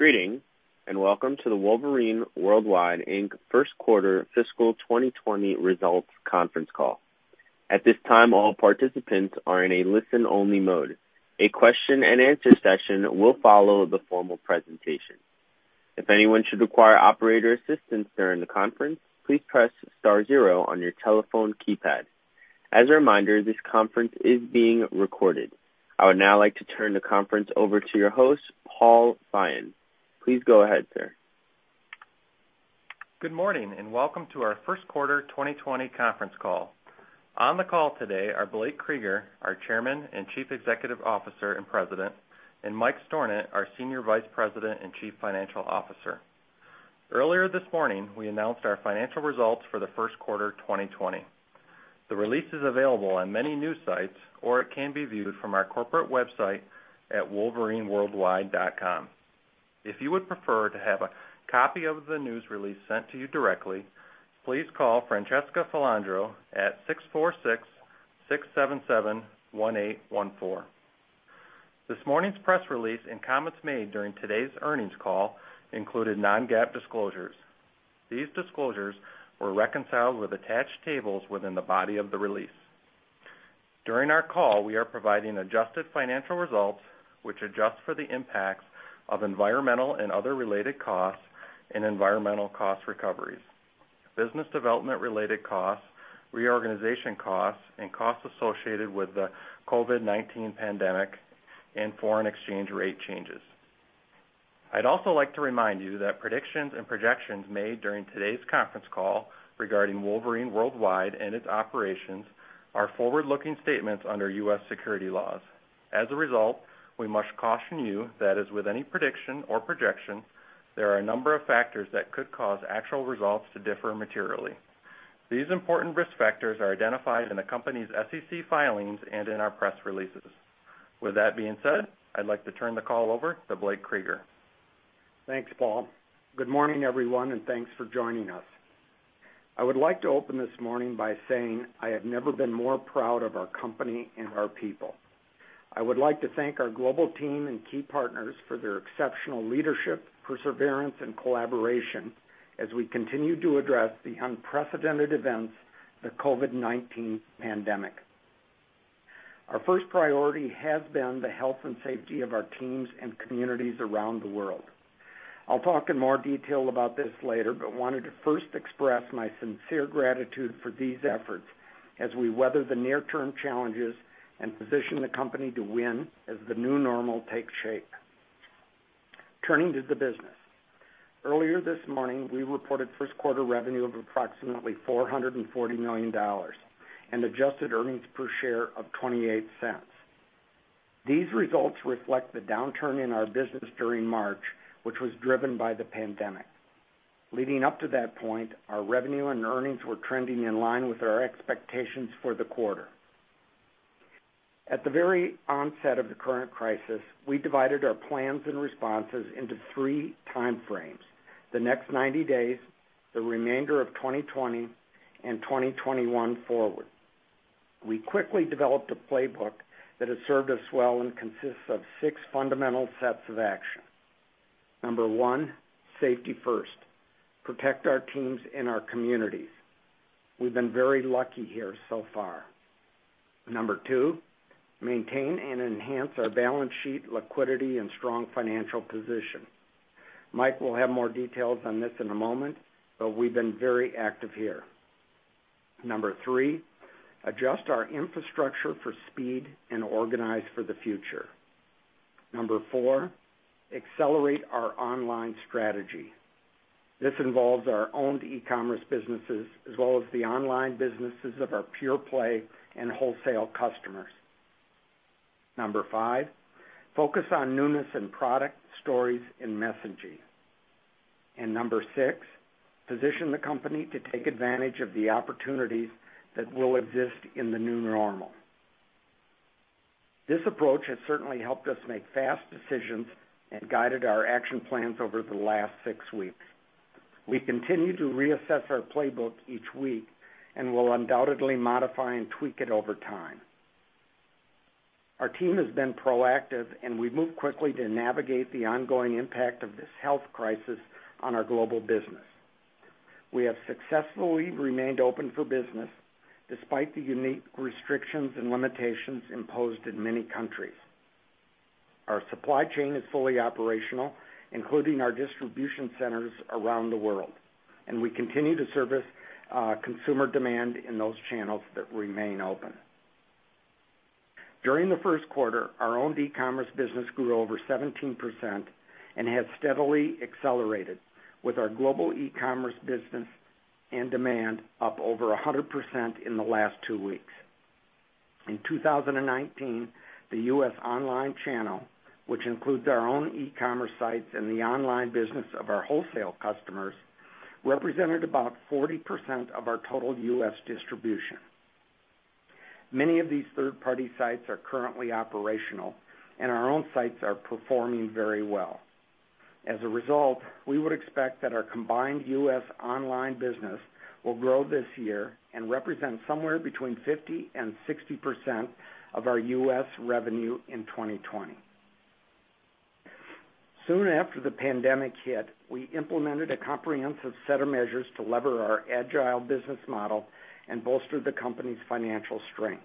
Greetings, and welcome to the Wolverine World Wide Inc. First Quarter Fiscal 2020 Results Conference Call. At this time, all participants are in a listen-only mode. A question and answer session will follow the formal presentation. If anyone should require operator assistance during the conference, please press star zero on your telephone keypad. As a reminder, this conference is being recorded. I would now like to turn the conference over to your host, Paul Feyen. Please go ahead, sir. Good morning, and welcome to our first quarter 2020 conference call. On the call today are Blake Krueger, our Chairman and Chief Executive Officer and President, and Mike Stornant, our Senior Vice President and Chief Financial Officer. Earlier this morning, we announced our financial results for the first quarter, 2020. The release is available on many news sites, or it can be viewed from our corporate website at wolverineworldwide.com. If you would prefer to have a copy of the news release sent to you directly, please call Francesca Fontana at 646-677-1814. This morning's press release and comments made during today's earnings call included non-GAAP disclosures. These disclosures were reconciled with attached tables within the body of the release. During our call, we are providing adjusted financial results, which adjust for the impacts of environmental and other related costs and environmental cost recoveries, business development-related costs, reorganization costs, and costs associated with the COVID-19 pandemic and foreign exchange rate changes. I'd also like to remind you that predictions and projections made during today's conference call regarding Wolverine Worldwide and its operations are forward-looking statements under U.S. securities laws. As a result, we must caution you that, as with any prediction or projection, there are a number of factors that could cause actual results to differ materially. These important risk factors are identified in the company's SEC filings and in our press releases. With that being said, I'd like to turn the call over to Blake Krueger. Thanks, Paul. Good morning, everyone, and thanks for joining us. I would like to open this morning by saying I have never been more proud of our company and our people. I would like to thank our global team and key partners for their exceptional leadership, perseverance, and collaboration as we continue to address the unprecedented events of the COVID-19 pandemic. Our first priority has been the health and safety of our teams and communities around the world. I'll talk in more detail about this later, but wanted to first express my sincere gratitude for these efforts as we weather the near-term challenges and position the company to win as the new normal takes shape. Turning to the business. Earlier this morning, we reported first quarter revenue of approximately $440 million and adjusted earnings per share of $0.28. These results reflect the downturn in our business during March, which was driven by the pandemic. Leading up to that point, our revenue and earnings were trending in line with our expectations for the quarter. At the very onset of the current crisis, we divided our plans and responses into three time frames: the next 90 days, the remainder of 2020, and 2021 forward. We quickly developed a playbook that has served us well and consists of six fundamental sets of action. Number one, safety first. Protect our teams and our communities. We've been very lucky here so far. Number two, maintain and enhance our balance sheet, liquidity, and strong financial position. Mike will have more details on this in a moment, but we've been very active here. Number three, adjust our infrastructure for speed and organize for the future. Number four, accelerate our online strategy. This involves our own e-commerce businesses as well as the online businesses of our pure play and wholesale customers. Number five, focus on newness in product, stories, and messaging. And number six, position the company to take advantage of the opportunities that will exist in the new normal. This approach has certainly helped us make fast decisions and guided our action plans over the last six weeks. We continue to reassess our playbook each week, and we'll undoubtedly modify and tweak it over time. Our team has been proactive, and we've moved quickly to navigate the ongoing impact of this health crisis on our global business. We have successfully remained open for business despite the unique restrictions and limitations imposed in many countries. Our supply chain is fully operational, including our distribution centers around the world, and we continue to service consumer demand in those channels that remain open. During the first quarter, our own e-commerce business grew over 17% and has steadily accelerated with our global e-commerce business and demand up over 100% in the last two weeks. In 2019, the U.S. online channel, which includes our own e-commerce sites and the online business of our wholesale customers, represented about 40% of our total U.S. distribution. Many of these third-party sites are currently operational, and our own sites are performing very well. As a result, we would expect that our combined U.S. online business will grow this year and represent somewhere between 50% and 60% of our U.S. revenue in 2020. Soon after the pandemic hit, we implemented a comprehensive set of measures to lever our agile business model and bolster the company's financial strength.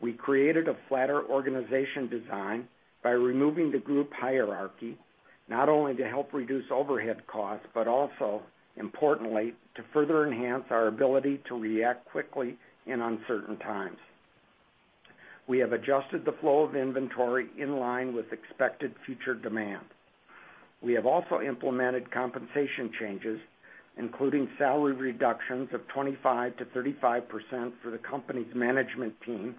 We created a flatter organization design by removing the group hierarchy, not only to help reduce overhead costs, but also, importantly, to further enhance our ability to react quickly in uncertain times. We have adjusted the flow of inventory in line with expected future demand. We have also implemented compensation changes, including salary reductions of 25%-35% for the company's management team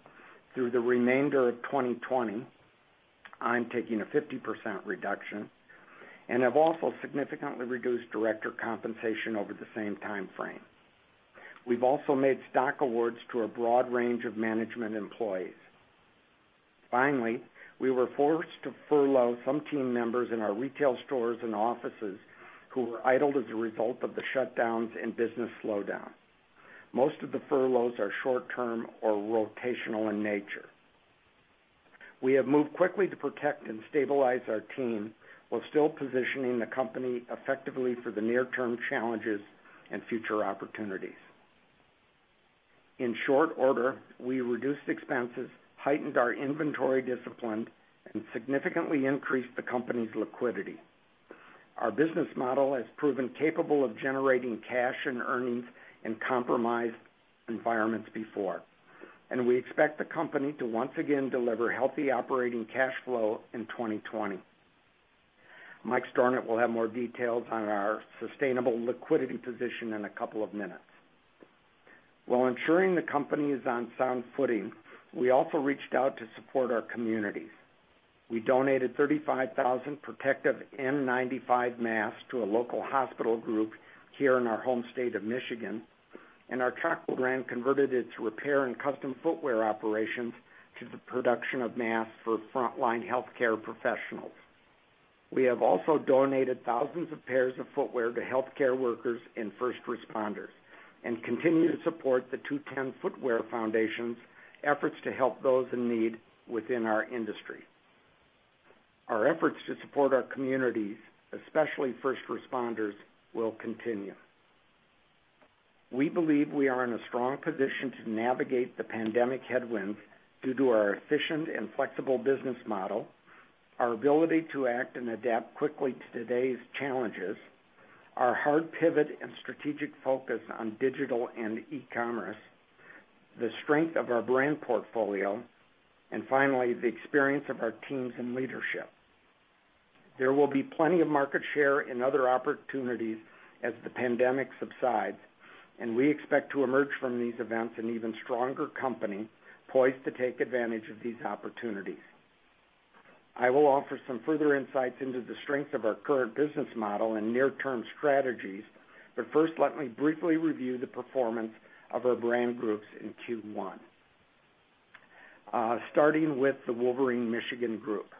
through the remainder of 2020. I'm taking a 50% reduction, and have also significantly reduced director compensation over the same time frame. We've also made stock awards to a broad range of management employees. Finally, we were forced to furlough some team members in our retail stores and offices who were idled as a result of the shutdowns and business slowdown. Most of the furloughs are short-term or rotational in nature. We have moved quickly to protect and stabilize our team while still positioning the company effectively for the near-term challenges and future opportunities. In short order, we reduced expenses, heightened our inventory discipline, and significantly increased the company's liquidity. Our business model has proven capable of generating cash and earnings in compromised environments before, and we expect the company to once again deliver healthy operating cash flow in 2020. Mike Stornant will have more details on our sustainable liquidity position in a couple of minutes. While ensuring the company is on sound footing, we also reached out to support our communities. We donated 35,000 protective N95 masks to a local hospital group here in our home state of Michigan, and our Chaco brand converted its repair and custom footwear operations to the production of masks for frontline healthcare professionals. We have also donated thousands of pairs of footwear to healthcare workers and first responders, and continue to support the Two Ten Footwear Foundation's efforts to help those in need within our industry. Our efforts to support our communities, especially first responders, will continue. We believe we are in a strong position to navigate the pandemic headwinds due to our efficient and flexible business model, our ability to act and adapt quickly to today's challenges, our hard pivot and strategic focus on digital and e-commerce, the strength of our brand portfolio, and finally, the experience of our teams and leadership. There will be plenty of market share and other opportunities as the pandemic subsides, and we expect to emerge from these events an even stronger company, poised to take advantage of these opportunities. I will offer some further insights into the strength of our current business model and near-term strategies, but first, let me briefly review the performance of our brand groups in Q1. Starting with the Wolverine Michigan Group.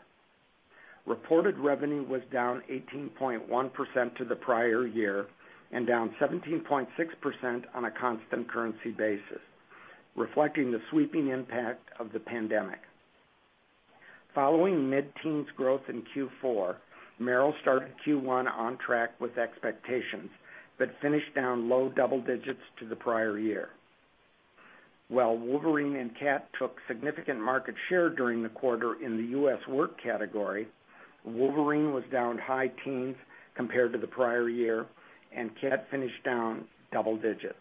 Reported revenue was down 18.1% to the prior year and down 17.6% on a constant currency basis, reflecting the sweeping impact of the pandemic. Following mid-teens growth in Q4, Merrell started Q1 on track with expectations, but finished down low double digits to the prior year. While Wolverine and Cat took significant market share during the quarter in the US work category, Wolverine was down high teens compared to the prior year, and Cat finished down double digits.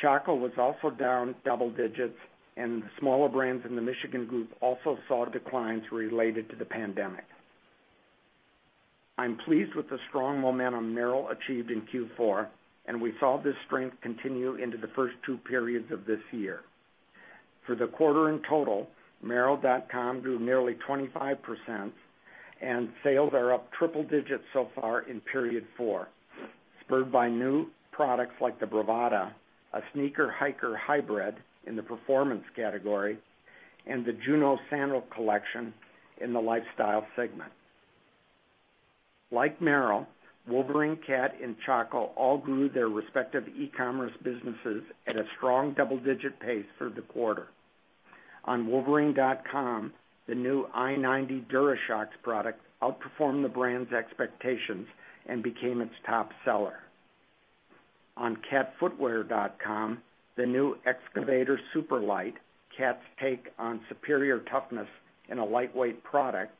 Chaco was also down double digits, and the smaller brands in the Michigan group also saw declines related to the pandemic. I'm pleased with the strong momentum Merrell achieved in Q4, and we saw this strength continue into the first two periods of this year. For the quarter in total, Merrell.com grew nearly 25%, and sales are up triple digits so far in period four, spurred by new products like the Bravada, a sneaker-hiker hybrid in the performance category, and the Juno sandal collection in the lifestyle segment. Like Merrell, Wolverine, Cat, and Chaco all grew their respective e-commerce businesses at a strong double-digit pace through the quarter. On Wolverine.com, the new I-90 DuraShocks product outperformed the brand's expectations and became its top seller. On Catfootwear.com, the new Excavator Superlite, Cat's take on superior toughness in a lightweight product,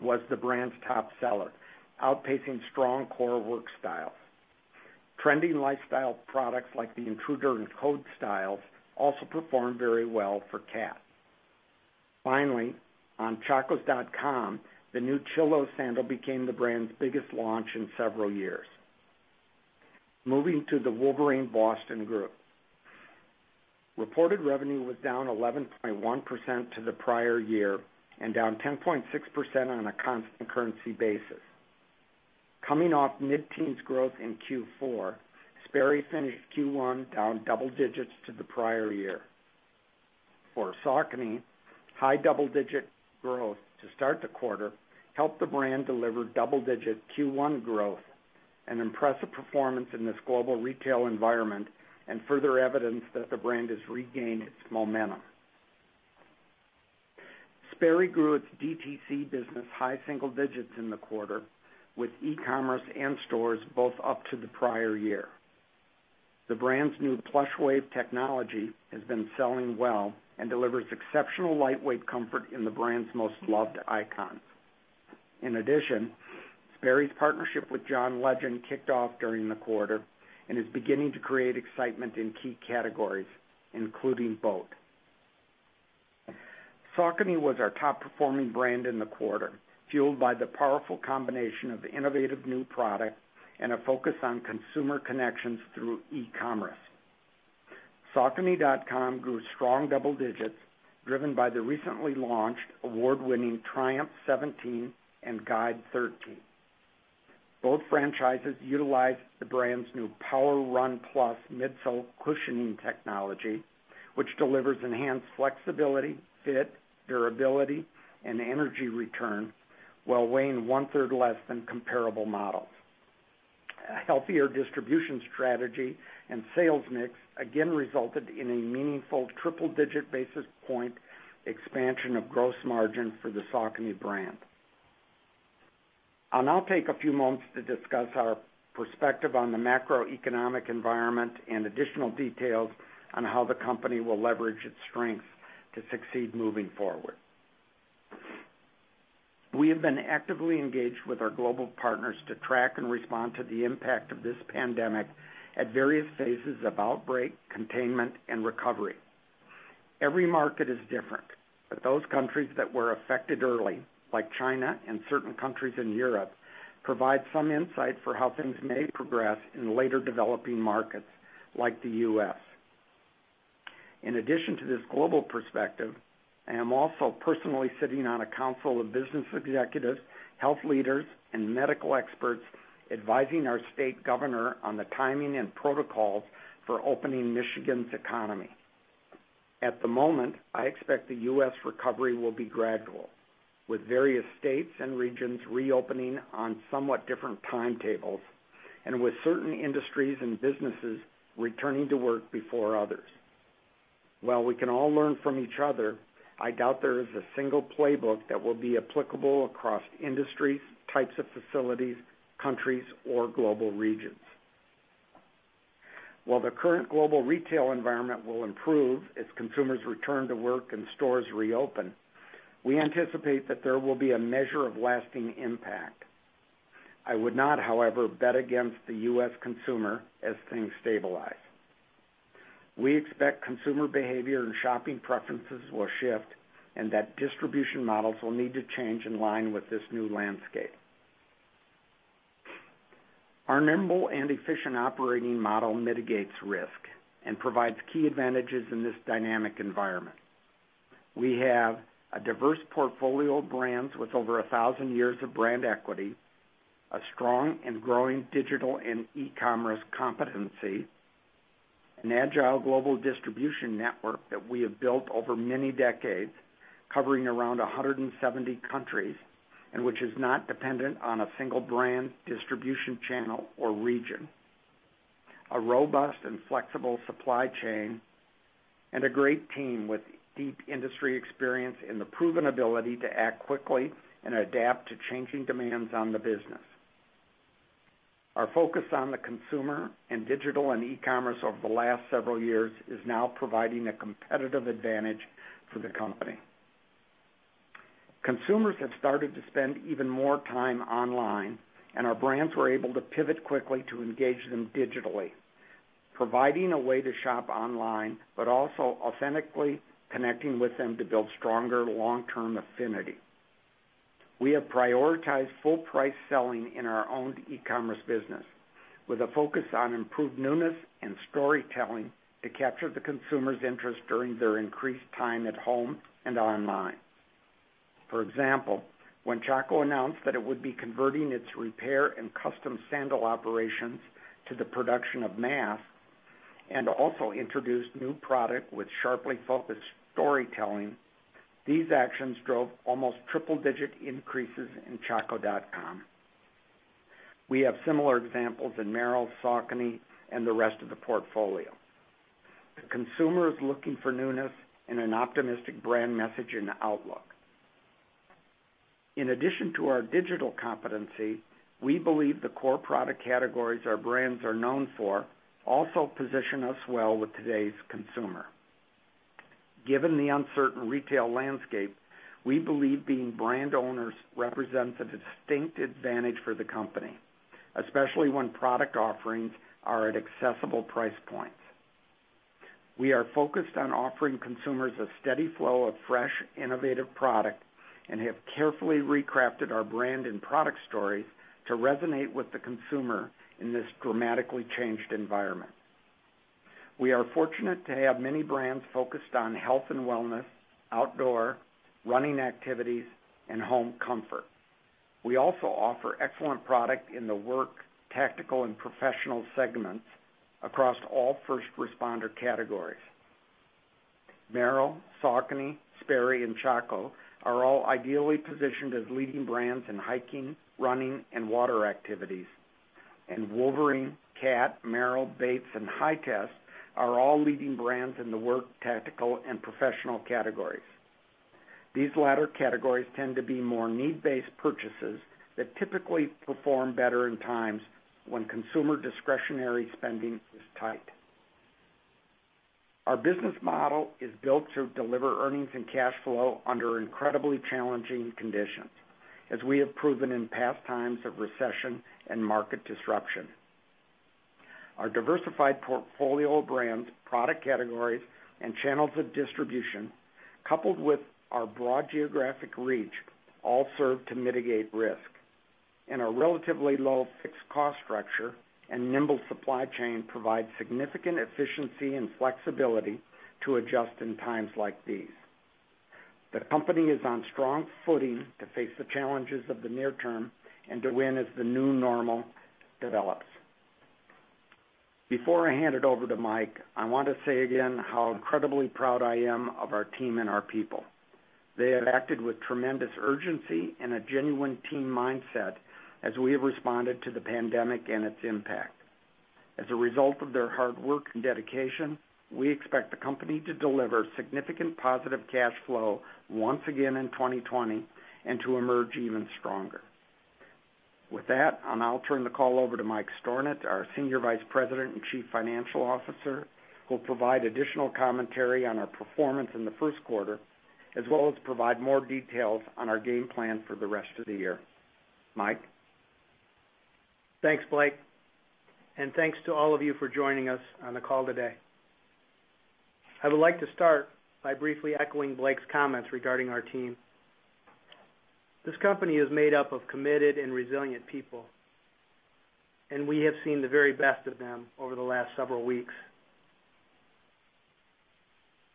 was the brand's top seller, outpacing strong core work styles. Trending lifestyle products like the Intruder and Code styles also performed very well for Cat. Finally, on Chacos.com, the new Chillos sandal became the brand's biggest launch in several years. Moving to the Wolverine Boston Group. Reported revenue was down 11.1% to the prior year and down 10.6% on a constant currency basis. Coming off mid-teens growth in Q4, Sperry finished Q1 down double digits to the prior year. For Saucony, high double-digit growth to start the quarter helped the brand deliver double-digit Q1 growth and impressive performance in this global retail environment, and further evidence that the brand has regained its momentum. Sperry grew its DTC business high single digits in the quarter, with e-commerce and stores both up to the prior year. The brand's new Plushwave technology has been selling well and delivers exceptional lightweight comfort in the brand's most loved icons. In addition, Sperry's partnership with John Legend kicked off during the quarter and is beginning to create excitement in key categories, including boat. Saucony was our top performing brand in the quarter, fueled by the powerful combination of innovative new product and a focus on consumer connections through e-commerce. Saucony.com grew strong double digits, driven by the recently launched award-winning Triumph 17 and Guide 13. Both franchises utilized the brand's new PWRRUN+ midsole cushioning technology, which delivers enhanced flexibility, fit, durability, and energy return, while weighing one third less than comparable models. A healthier distribution strategy and sales mix again resulted in a meaningful triple-digit basis point expansion of gross margin for the Saucony brand. I'll now take a few moments to discuss our perspective on the macroeconomic environment and additional details on how the company will leverage its strengths to succeed moving forward. We have been actively engaged with our global partners to track and respond to the impact of this pandemic at various phases of outbreak, containment, and recovery. Every market is different, but those countries that were affected early, like China and certain countries in Europe, provide some insight for how things may progress in later developing markets like the U.S. In addition to this global perspective, I am also personally sitting on a council of business executives, health leaders, and medical experts advising our state governor on the timing and protocols for opening Michigan's economy. At the moment, I expect the U.S. recovery will be gradual, with various states and regions reopening on somewhat different timetables and with certain industries and businesses returning to work before others. While we can all learn from each other, I doubt there is a single playbook that will be applicable across industries, types of facilities, countries, or global regions. While the current global retail environment will improve as consumers return to work and stores reopen, we anticipate that there will be a measure of lasting impact. I would not, however, bet against the US consumer as things stabilize. We expect consumer behavior and shopping preferences will shift and that distribution models will need to change in line with this new landscape. Our nimble and efficient operating model mitigates risk and provides key advantages in this dynamic environment. We have a diverse portfolio of brands with over 1,000 years of brand equity, a strong and growing digital and e-commerce competency, an agile global distribution network that we have built over many decades, covering around 170 countries, and which is not dependent on a single brand, distribution channel, or region, a robust and flexible supply chain, and a great team with deep industry experience and the proven ability to act quickly and adapt to changing demands on the business. Our focus on the consumer and digital and e-commerce over the last several years is now providing a competitive advantage for the company. Consumers have started to spend even more time online, and our brands were able to pivot quickly to engage them digitally, providing a way to shop online, but also authentically connecting with them to build stronger long-term affinity. We have prioritized full price selling in our own e-commerce business, with a focus on improved newness and storytelling to capture the consumer's interest during their increased time at home and online. For example, when Chaco announced that it would be converting its repair and custom sandal operations to the production of masks and also introduced new product with sharply focused storytelling, these actions drove almost triple-digit increases in Chaco.com. We have similar examples in Merrell, Saucony, and the rest of the portfolio. The consumer is looking for newness and an optimistic brand message and outlook. In addition to our digital competency, we believe the core product categories our brands are known for also position us well with today's consumer. Given the uncertain retail landscape, we believe being brand owners represents a distinct advantage for the company, especially when product offerings are at accessible price points. We are focused on offering consumers a steady flow of fresh, innovative product and have carefully recrafted our brand and product stories to resonate with the consumer in this dramatically changed environment. We are fortunate to have many brands focused on health and wellness, outdoor, running activities, and home comfort.... We also offer excellent product in the work, tactical, and professional segments across all first responder categories. Merrell, Saucony, Sperry, and Chaco are all ideally positioned as leading brands in hiking, running, and water activities. And Wolverine, Cat, Merrell, Bates, and Hytest are all leading brands in the work, tactical, and professional categories. These latter categories tend to be more need-based purchases that typically perform better in times when consumer discretionary spending is tight. Our business model is built to deliver earnings and cash flow under incredibly challenging conditions, as we have proven in past times of recession and market disruption. Our diversified portfolio of brands, product categories, and channels of distribution, coupled with our broad geographic reach, all serve to mitigate risk. Our relatively low fixed cost structure and nimble supply chain provide significant efficiency and flexibility to adjust in times like these. The company is on strong footing to face the challenges of the near term and to win as the new normal develops. Before I hand it over to Mike, I want to say again how incredibly proud I am of our team and our people. They have acted with tremendous urgency and a genuine team mindset as we have responded to the pandemic and its impact. As a result of their hard work and dedication, we expect the company to deliver significant positive cash flow once again in 2020, and to emerge even stronger. With that, I'll now turn the call over to Mike Stornant, our Senior Vice President and Chief Financial Officer, who'll provide additional commentary on our performance in the first quarter, as well as provide more details on our game plan for the rest of the year. Mike? Thanks, Blake, and thanks to all of you for joining us on the call today. I would like to start by briefly echoing Blake's comments regarding our team. This company is made up of committed and resilient people, and we have seen the very best of them over the last several weeks.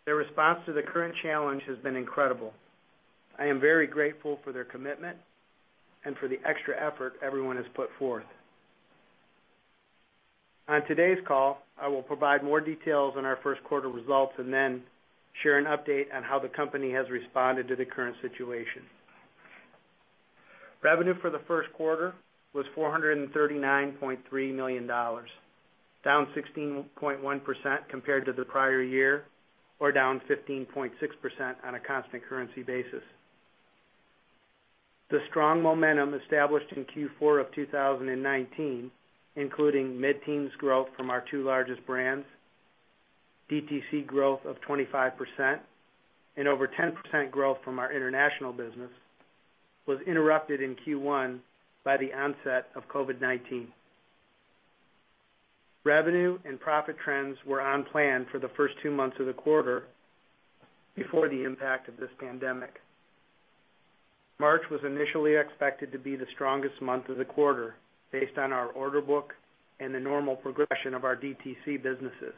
Their response to the current challenge has been incredible. I am very grateful for their commitment and for the extra effort everyone has put forth. On today's call, I will provide more details on our first quarter results, and then share an update on how the company has responded to the current situation. Revenue for the first quarter was $439.3 million, down 16.1% compared to the prior year, or down 15.6% on a constant currency basis. The strong momentum established in Q4 of 2019, including mid-teens growth from our two largest brands, DTC growth of 25%, and over 10% growth from our international business, was interrupted in Q1 by the onset of COVID-19. Revenue and profit trends were on plan for the first two months of the quarter before the impact of this pandemic. March was initially expected to be the strongest month of the quarter, based on our order book and the normal progression of our DTC businesses.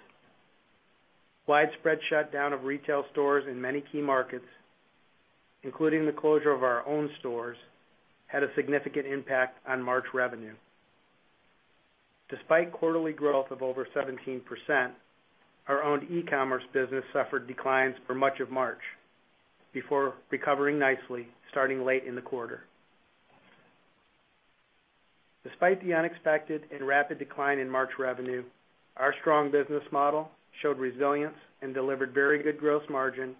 Widespread shutdown of retail stores in many key markets, including the closure of our own stores, had a significant impact on March revenue. Despite quarterly growth of over 17%, our own e-commerce business suffered declines for much of March before recovering nicely, starting late in the quarter. Despite the unexpected and rapid decline in March revenue, our strong business model showed resilience and delivered very good gross margin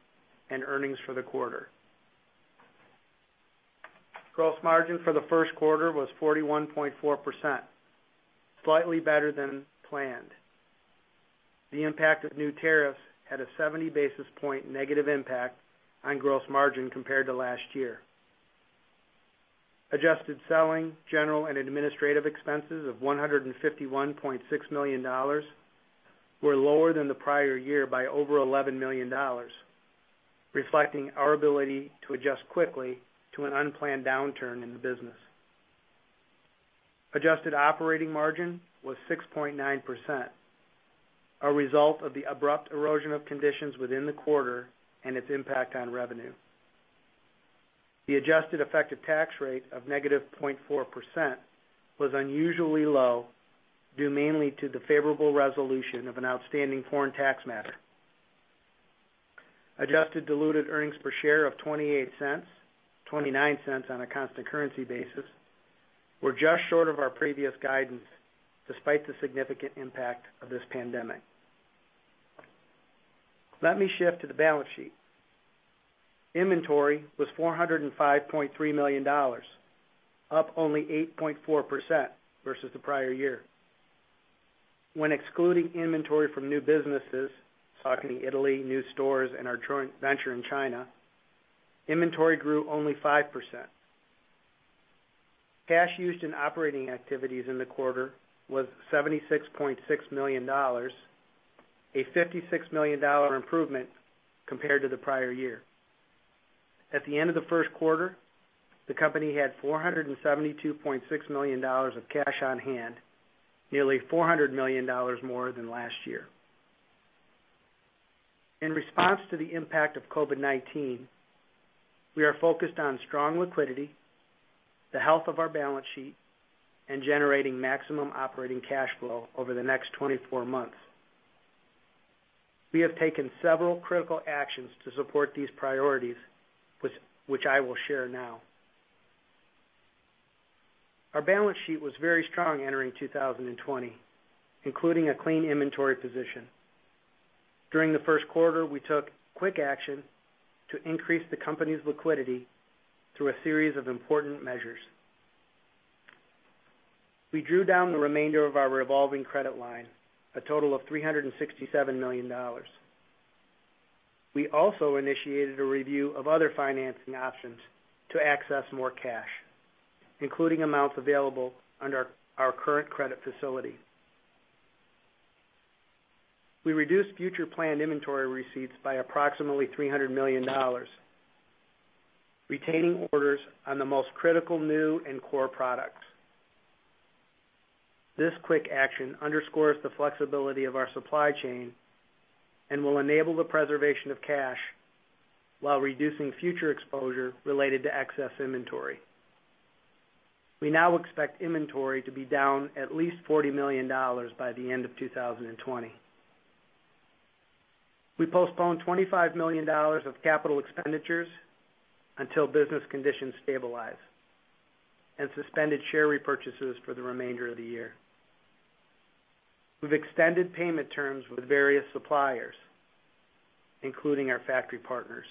and earnings for the quarter. Gross margin for the first quarter was 41.4%, slightly better than planned. The impact of new tariffs had a 70 basis point negative impact on gross margin compared to last year. Adjusted selling, general and administrative expenses of $151.6 million were lower than the prior year by over $11 million, reflecting our ability to adjust quickly to an unplanned downturn in the business. Adjusted operating margin was 6.9%, a result of the abrupt erosion of conditions within the quarter and its impact on revenue. The adjusted effective tax rate of -0.4% was unusually low, due mainly to the favorable resolution of an outstanding foreign tax matter. Adjusted diluted earnings per share of $0.28, $0.29 on a constant currency basis, were just short of our previous guidance, despite the significant impact of this pandemic. Let me shift to the balance sheet. Inventory was $405.3 million, up only 8.4% versus the prior year. When excluding inventory from new businesses, Saucony Italy, new stores and our joint venture in China, inventory grew only 5%. Cash used in operating activities in the quarter was $76.6 million, a $56 million improvement compared to the prior year. At the end of the first quarter, the company had $472.6 million of cash on hand, nearly $400 million more than last year. In response to the impact of COVID-19, we are focused on strong liquidity, the health of our balance sheet, and generating maximum operating cash flow over the next 24 months. We have taken several critical actions to support these priorities, which I will share now. Our balance sheet was very strong entering 2020, including a clean inventory position. During the first quarter, we took quick action to increase the company's liquidity through a series of important measures. We drew down the remainder of our revolving credit line, a total of $367 million. We also initiated a review of other financing options to access more cash, including amounts available under our current credit facility. We reduced future planned inventory receipts by approximately $300 million, retaining orders on the most critical, new, and core products. This quick action underscores the flexibility of our supply chain and will enable the preservation of cash while reducing future exposure related to excess inventory. We now expect inventory to be down at least $40 million by the end of 2020. We postponed $25 million of capital expenditures until business conditions stabilize and suspended share repurchases for the remainder of the year. We've extended payment terms with various suppliers, including our factory partners.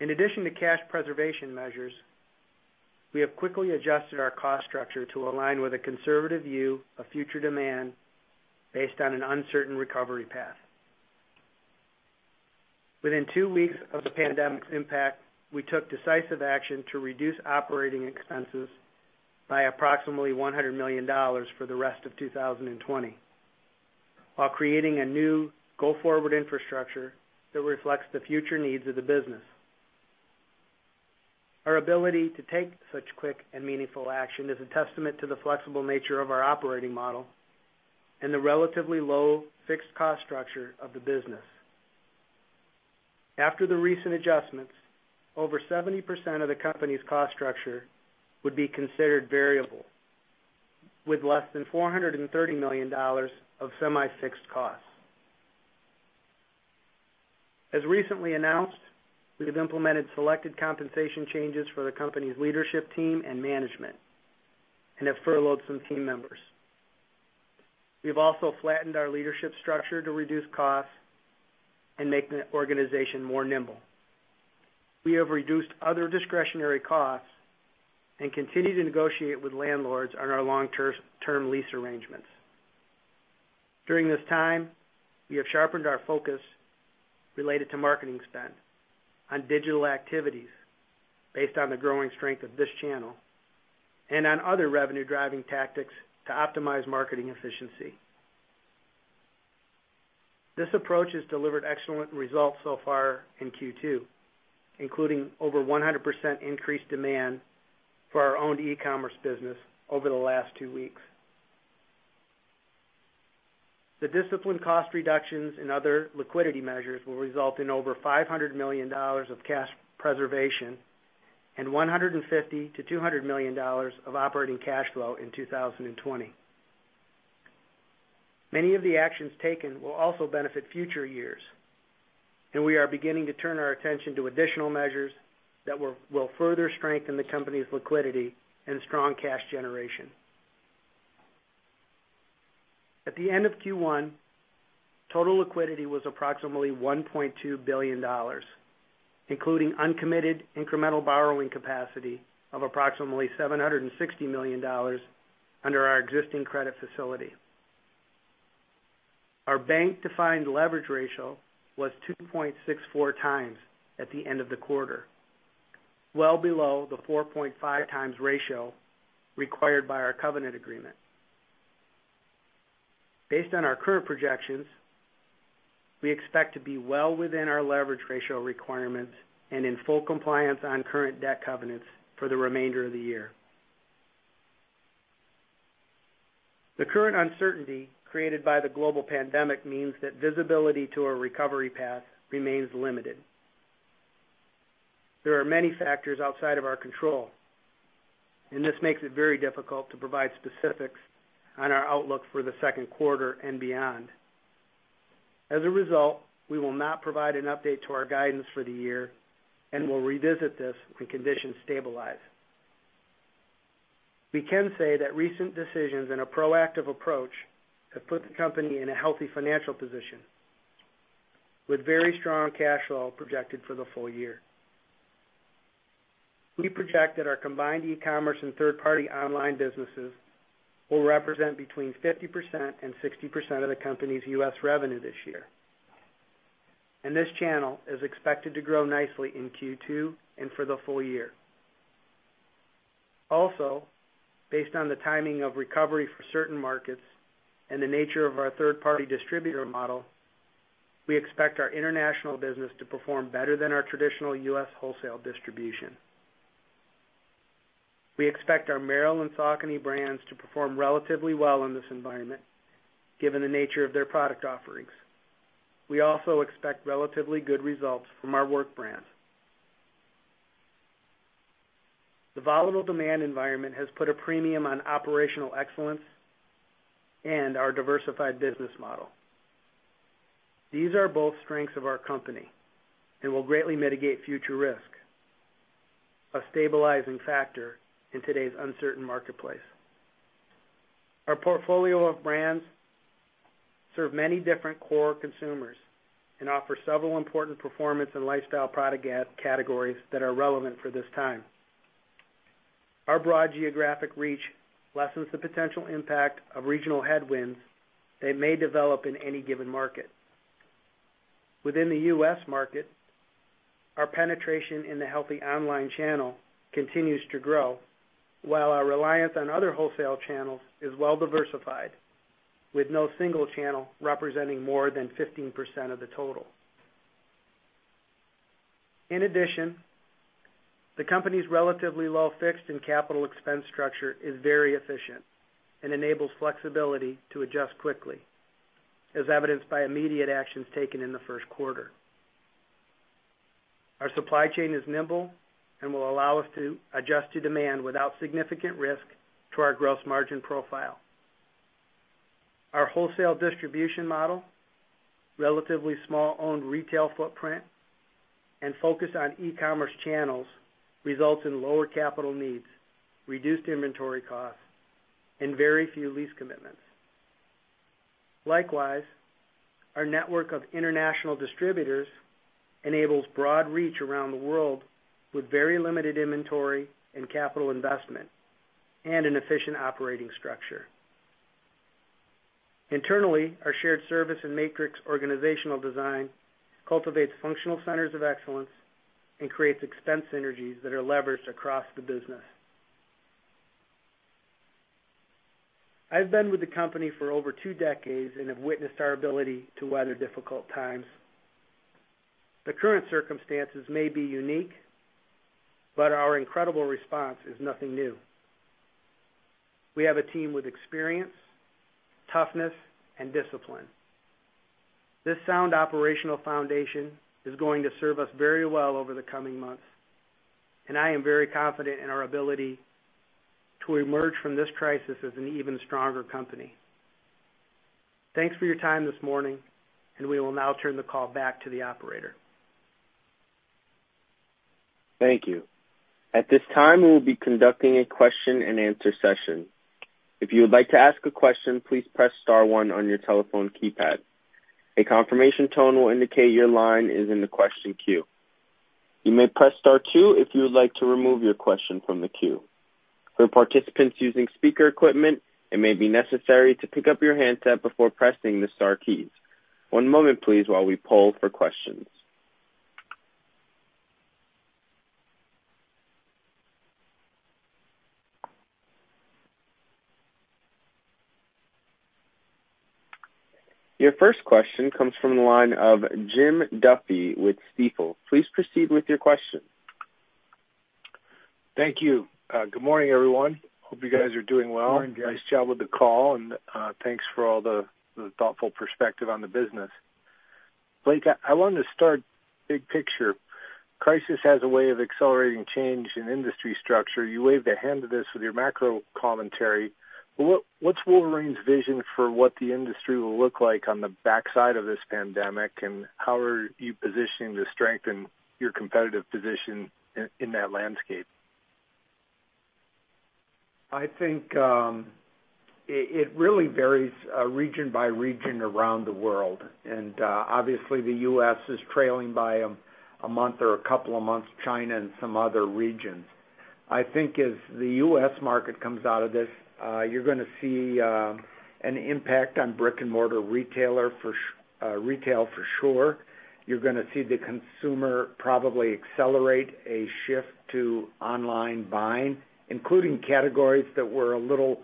In addition to cash preservation measures, we have quickly adjusted our cost structure to align with a conservative view of future demand based on an uncertain recovery path. Within two weeks of the pandemic's impact, we took decisive action to reduce operating expenses by approximately $100 million for the rest of 2020, while creating a new go-forward infrastructure that reflects the future needs of the business. Our ability to take such quick and meaningful action is a testament to the flexible nature of our operating model and the relatively low fixed cost structure of the business. After the recent adjustments, over 70% of the company's cost structure would be considered variable, with less than $430 million of semi-fixed costs. As recently announced, we have implemented selected compensation changes for the company's leadership team and management, and have furloughed some team members. We've also flattened our leadership structure to reduce costs and make the organization more nimble. We have reduced other discretionary costs and continue to negotiate with landlords on our long-term lease arrangements. During this time, we have sharpened our focus related to marketing spend on digital activities based on the growing strength of this channel and on other revenue-driving tactics to optimize marketing efficiency. This approach has delivered excellent results so far in Q2, including over 100% increased demand for our own e-commerce business over the last two weeks. The disciplined cost reductions and other liquidity measures will result in over $500 million of cash preservation and $150 million-$200 million of operating cash flow in 2020. Many of the actions taken will also benefit future years, and we are beginning to turn our attention to additional measures that will further strengthen the company's liquidity and strong cash generation. At the end of Q1, total liquidity was approximately $1.2 billion, including uncommitted incremental borrowing capacity of approximately $760 million under our existing credit facility. Our bank-defined leverage ratio was 2.64 times at the end of the quarter, well below the 4.5 times ratio required by our covenant agreement. Based on our current projections, we expect to be well within our leverage ratio requirements and in full compliance on current debt covenants for the remainder of the year. The current uncertainty created by the global pandemic means that visibility to a recovery path remains limited. There are many factors outside of our control, and this makes it very difficult to provide specifics on our outlook for the second quarter and beyond. As a result, we will not provide an update to our guidance for the year and will revisit this when conditions stabilize. We can say that recent decisions and a proactive approach have put the company in a healthy financial position with very strong cash flow projected for the full year. We project that our combined e-commerce and third-party online businesses will represent between 50% and 60% of the company's US revenue this year, and this channel is expected to grow nicely in Q2 and for the full year. Also, based on the timing of recovery for certain markets and the nature of our third-party distributor model, we expect our international business to perform better than our traditional US wholesale distribution. We expect our Merrell and Saucony brands to perform relatively well in this environment, given the nature of their product offerings. We also expect relatively good results from our work brands. The volatile demand environment has put a premium on operational excellence and our diversified business model. These are both strengths of our company and will greatly mitigate future risk, a stabilizing factor in today's uncertain marketplace. Our portfolio of brands serve many different core consumers and offer several important performance and lifestyle product categories that are relevant for this time. Our broad geographic reach lessens the potential impact of regional headwinds that may develop in any given market. Within the U.S. market, our penetration in the healthy online channel continues to grow, while our reliance on other wholesale channels is well diversified, with no single channel representing more than 15% of the total. In addition, the company's relatively low fixed and capital expense structure is very efficient and enables flexibility to adjust quickly, as evidenced by immediate actions taken in the first quarter. Our supply chain is nimble and will allow us to adjust to demand without significant risk to our gross margin profile. Our wholesale distribution model, relatively small owned retail footprint, and focus on e-commerce channels results in lower capital needs, reduced inventory costs, and very few lease commitments. Likewise, our network of international distributors enables broad reach around the world with very limited inventory and capital investment and an efficient operating structure. Internally, our shared service and matrix organizational design cultivates functional centers of excellence and creates expense synergies that are leveraged across the business. I've been with the company for over two decades and have witnessed our ability to weather difficult times. The current circumstances may be unique, but our incredible response is nothing new. We have a team with experience, toughness, and discipline. This sound operational foundation is going to serve us very well over the coming months, and I am very confident in our ability to emerge from this crisis as an even stronger company. Thanks for your time this morning, and we will now turn the call back to the operator. Thank you. At this time, we will be conducting a question-and-answer session. If you would like to ask a question, please press star one on your telephone keypad. A confirmation tone will indicate your line is in the question queue. You may press star two if you would like to remove your question from the queue. For participants using speaker equipment, it may be necessary to pick up your handset before pressing the star keys. One moment, please, while we poll for questions. Your first question comes from the line of Jim Duffy with Stifel. Please proceed with your question. Thank you. Good morning, everyone. Hope you guys are doing well. Good morning, Jim. Nice job with the call, and thanks for all the, the thoughtful perspective on the business. Blake, I wanted to start big picture. Crisis has a way of accelerating change in industry structure. You waved a hand to this with your macro commentary, but what, what's Wolverine's vision for what the industry will look like on the backside of this pandemic, and how are you positioning to strengthen your competitive position in that landscape? I think it really varies region by region around the world. Obviously, the U.S. is trailing by a month or a couple of months, China and some other regions. I think as the U.S. market comes out of this, you're gonna see an impact on brick-and-mortar retail for sure. You're gonna see the consumer probably accelerate a shift to online buying, including categories that were a little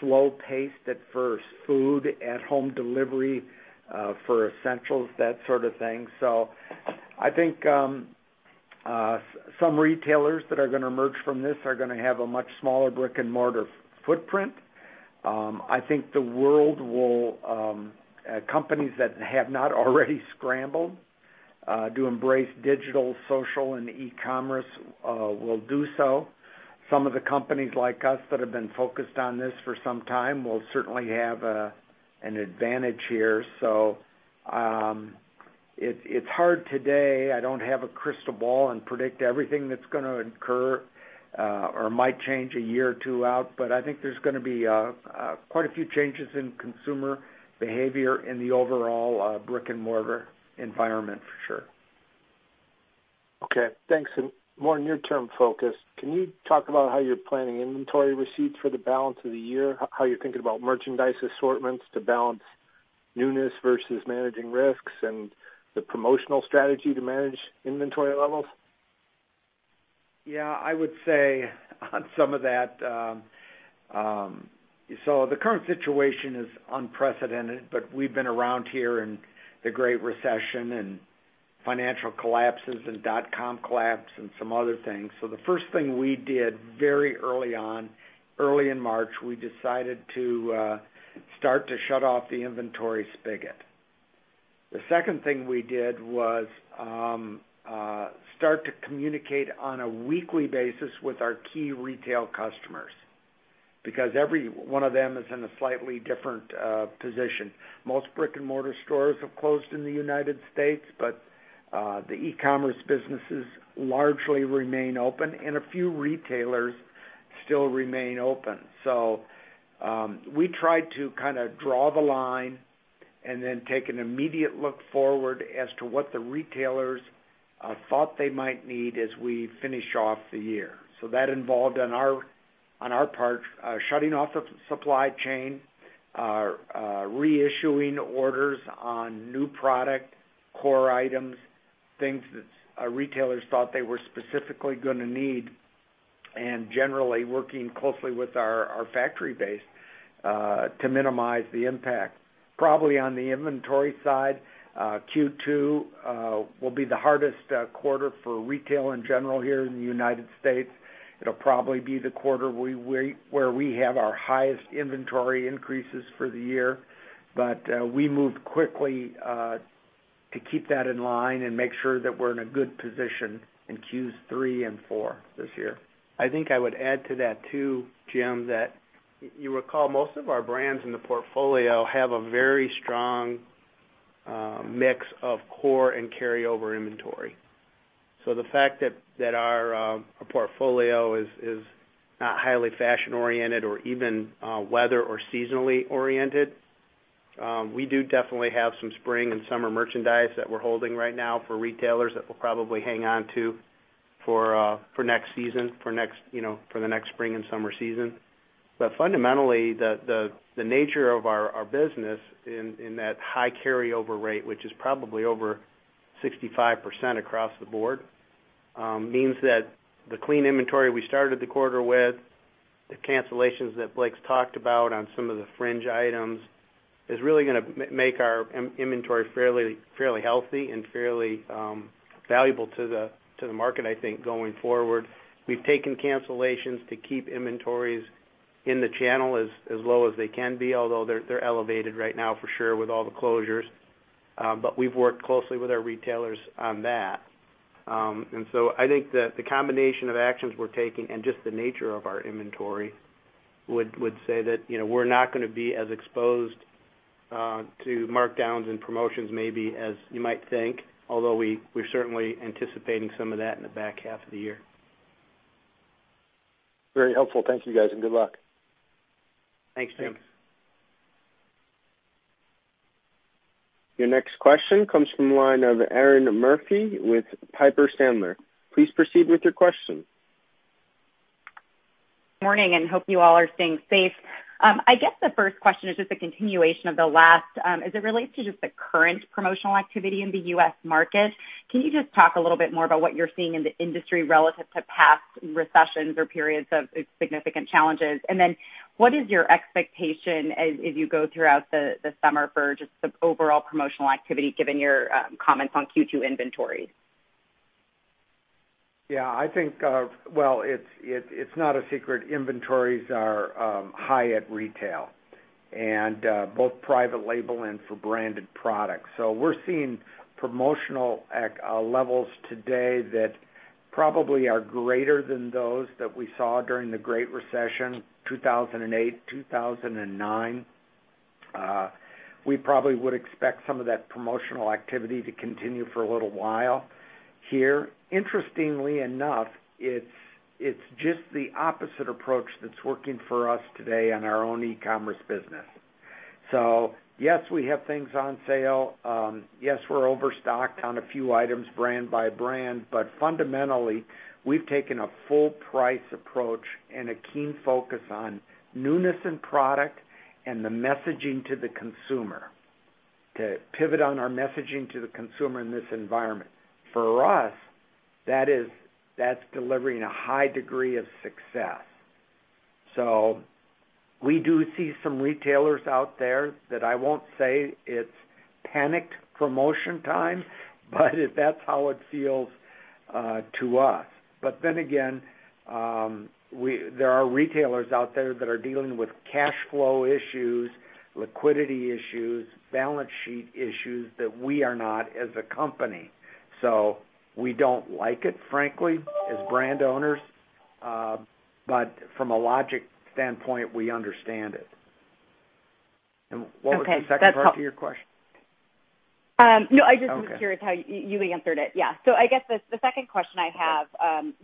slow-paced at first, food, at-home delivery for essentials, that sort of thing. I think some retailers that are gonna emerge from this are gonna have a much smaller brick-and-mortar footprint. I think the world will, companies that have not already scrambled to embrace digital, social, and e-commerce will do so. Some of the companies like us that have been focused on this for some time will certainly have an advantage here. So, it's hard today. I don't have a crystal ball and predict everything that's gonna occur, or might change a year or two out, but I think there's gonna be quite a few changes in consumer behavior in the overall brick-and-mortar environment, for sure. Okay, thanks. More near-term focused, can you talk about how you're planning inventory receipts for the balance of the year, how you're thinking about merchandise assortments to balance newness versus managing risks and the promotional strategy to manage inventory levels? Yeah, I would say on some of that, so the current situation is unprecedented, but we've been around here in the Great Recession and-... financial collapses and dot-com collapse and some other things. So the first thing we did very early on, early in March, we decided to start to shut off the inventory spigot. The second thing we did was start to communicate on a weekly basis with our key retail customers, because every one of them is in a slightly different position. Most brick-and-mortar stores have closed in the United States, but the e-commerce businesses largely remain open, and a few retailers still remain open. So we tried to kind of draw the line and then take an immediate look forward as to what the retailers thought they might need as we finish off the year. So that involved on our, on our part, shutting off the supply chain, reissuing orders on new product, core items, things that, retailers thought they were specifically gonna need, and generally working closely with our, our factory base, to minimize the impact. Probably on the inventory side, Q2 will be the hardest quarter for retail in general here in the United States. It'll probably be the quarter where we have our highest inventory increases for the year, but, we moved quickly, to keep that in line and make sure that we're in a good position in Q3 and Q4 this year. I think I would add to that, too, Jim, that you recall, most of our brands in the portfolio have a very strong mix of core and carryover inventory. So the fact that our portfolio is not highly fashion-oriented or even weather or seasonally oriented, we do definitely have some spring and summer merchandise that we're holding right now for retailers that we'll probably hang on to for next season, for next, you know, for the next spring and summer season. But fundamentally, the nature of our business in that high carryover rate, which is probably over 65% across the board, means that the clean inventory we started the quarter with, the cancellations that Blake's talked about on some of the fringe items, is really gonna make our inventory fairly healthy and fairly valuable to the market, I think, going forward. We've taken cancellations to keep inventories in the channel as low as they can be, although they're elevated right now for sure, with all the closures. But we've worked closely with our retailers on that. And so I think that the combination of actions we're taking and just the nature of our inventory would say that, you know, we're not gonna be as exposed to markdowns and promotions maybe as you might think, although we're certainly anticipating some of that in the back half of the year. Very helpful. Thank you, guys, and good luck. Thanks, Jim. Your next question comes from the line of Erinn Murphy with Piper Sandler. Please proceed with your question. Morning, and hope you all are staying safe. I guess the first question is just a continuation of the last. As it relates to just the current promotional activity in the U.S. market, can you just talk a little bit more about what you're seeing in the industry relative to past recessions or periods of significant challenges? And then, what is your expectation as you go throughout the summer for just the overall promotional activity, given your comments on Q2 inventories? Yeah, I think, well, it's not a secret, inventories are high at retail, and both private label and for branded products. So we're seeing promotional levels today that probably are greater than those that we saw during the Great Recession, 2008, 2009. We probably would expect some of that promotional activity to continue for a little while here. Interestingly enough, it's just the opposite approach that's working for us today on our own e-commerce business. So yes, we have things on sale. Yes, we're overstocked on a few items, brand by brand. But fundamentally, we've taken a full price approach and a keen focus on newness in product and the messaging to the consumer, to pivot on our messaging to the consumer in this environment. For us, that is, that's delivering a high degree of success. So we do see some retailers out there that I won't say it's panic promotion time, but that's how it feels to us. But then again, we, there are retailers out there that are dealing with cash flow issues, liquidity issues, balance sheet issues that we are not as a company. So we don't like it, frankly, as brand owners, but from a logic standpoint, we understand it. What was the second part to your question? No, I just- Okay. I was curious how you answered it. Yeah. So I guess the second question I have,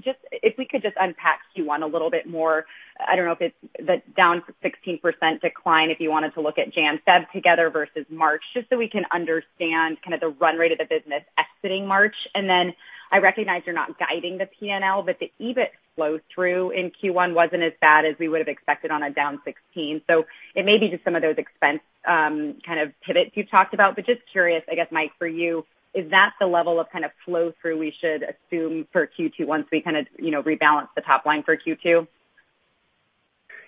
just if we could just unpack Q1 a little bit more. I don't know if it's the down 16% decline, if you wanted to look at January, February together versus March, just so we can understand kind of the run rate of the business exiting March. And then, I recognize you're not guiding the P&L, but the EBIT flow through in Q1 wasn't as bad as we would have expected on a down 16. So it may be just some of those expense kind of pivots you've talked about, but just curious, I guess, Mike, for you, is that the level of kind of flow-through we should assume for Q2 once we kind of, you know, rebalance the top line for Q2? ...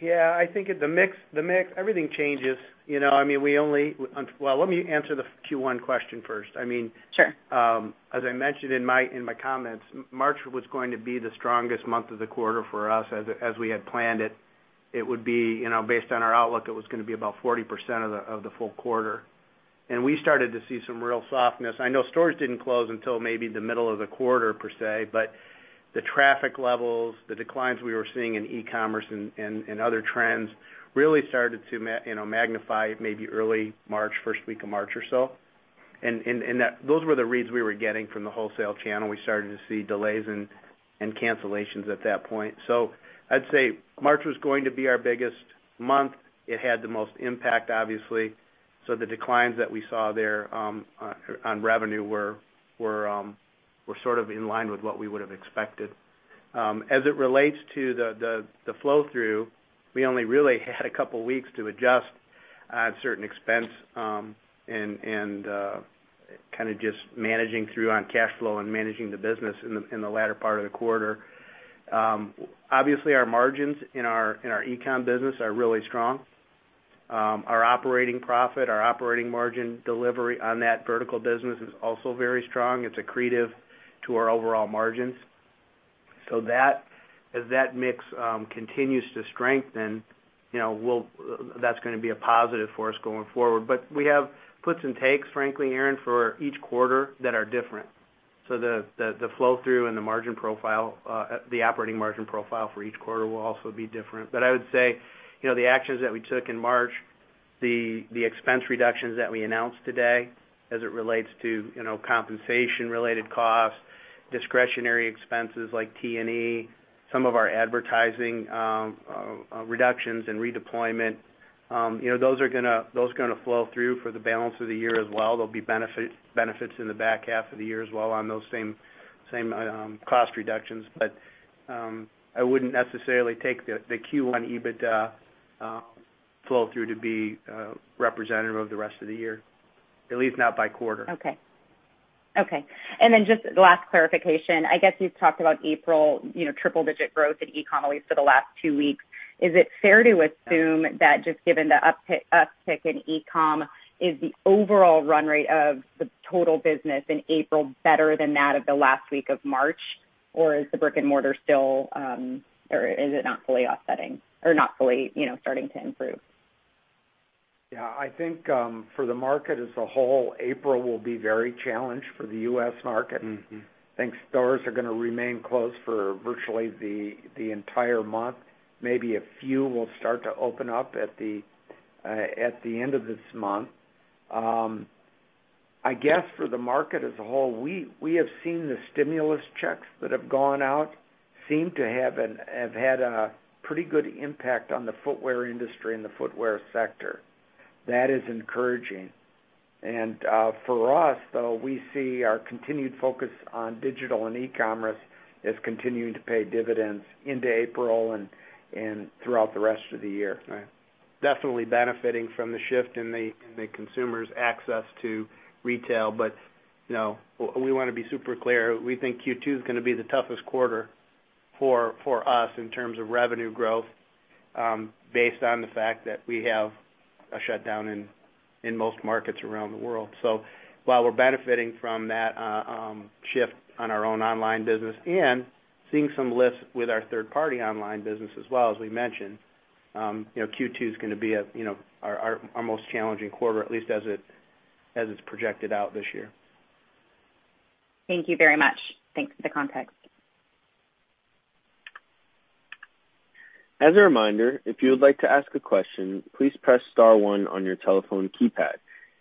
Yeah, I think at the mix, everything changes. You know, I mean, we only, well, let me answer the Q1 question first. I mean- Sure. As I mentioned in my comments, March was going to be the strongest month of the quarter for us as we had planned it. It would be, you know, based on our outlook, it was going to be about 40% of the full quarter. We started to see some real softness. I know stores didn't close until maybe the middle of the quarter per se, but the traffic levels, the declines we were seeing in e-commerce and other trends really started to, you know, magnify maybe early March, first week of March or so. And that those were the reads we were getting from the wholesale channel. We started to see delays and cancellations at that point. So I'd say March was going to be our biggest month. It had the most impact, obviously. So the declines that we saw there on revenue were sort of in line with what we would have expected. As it relates to the flow-through, we only really had a couple of weeks to adjust certain expense and kind of just managing through on cash flow and managing the business in the latter part of the quarter. Obviously, our margins in our e-com business are really strong. Our operating profit, our operating margin delivery on that vertical business is also very strong. It's accretive to our overall margins. So that, as that mix continues to strengthen, you know, we'll—that's gonna be a positive for us going forward. But we have puts and takes, frankly, Erinn, for each quarter that are different. So the flow-through and the margin profile, the operating margin profile for each quarter will also be different. But I would say, you know, the actions that we took in March, the expense reductions that we announced today as it relates to, you know, compensation-related costs, discretionary expenses like T&E, some of our advertising, reductions and redeployment, you know, those are gonna flow through for the balance of the year as well. There'll be benefits in the back half of the year as well on those same cost reductions. But, I wouldn't necessarily take the Q1 EBITDA flow-through to be representative of the rest of the year, at least not by quarter. Okay. Okay, and then just last clarification. I guess you've talked about April, you know, triple-digit growth in e-com, at least for the last two weeks. Is it fair to assume that just given the uptick, uptick in e-com, is the overall run rate of the total business in April better than that of the last week of March? Or is the brick-and-mortar still, or is it not fully offsetting or not fully, you know, starting to improve? Yeah, I think, for the market as a whole, April will be very challenged for the U.S. market. I think stores are gonna remain closed for virtually the entire month. Maybe a few will start to open up at the end of this month. I guess for the market as a whole, we have seen the stimulus checks that have gone out seem to have had a pretty good impact on the footwear industry and the footwear sector. That is encouraging. For us, though, we see our continued focus on digital and e-commerce as continuing to pay dividends into April and throughout the rest of the year. Right. Definitely benefiting from the shift in the, in the consumer's access to retail. But, you know, we want to be super clear. We think Q2 is going to be the toughest quarter for, for us in terms of revenue growth, based on the fact that we have a shutdown in, in most markets around the world. So while we're benefiting from that shift on our own online business and seeing some lift with our third-party online business as well, as we mentioned, you know, Q2 is gonna be, you know, our, our, our most challenging quarter, at least as it, as it's projected out this year. Thank you very much. Thanks for the context. As a reminder, if you would like to ask a question, please press star one on your telephone keypad.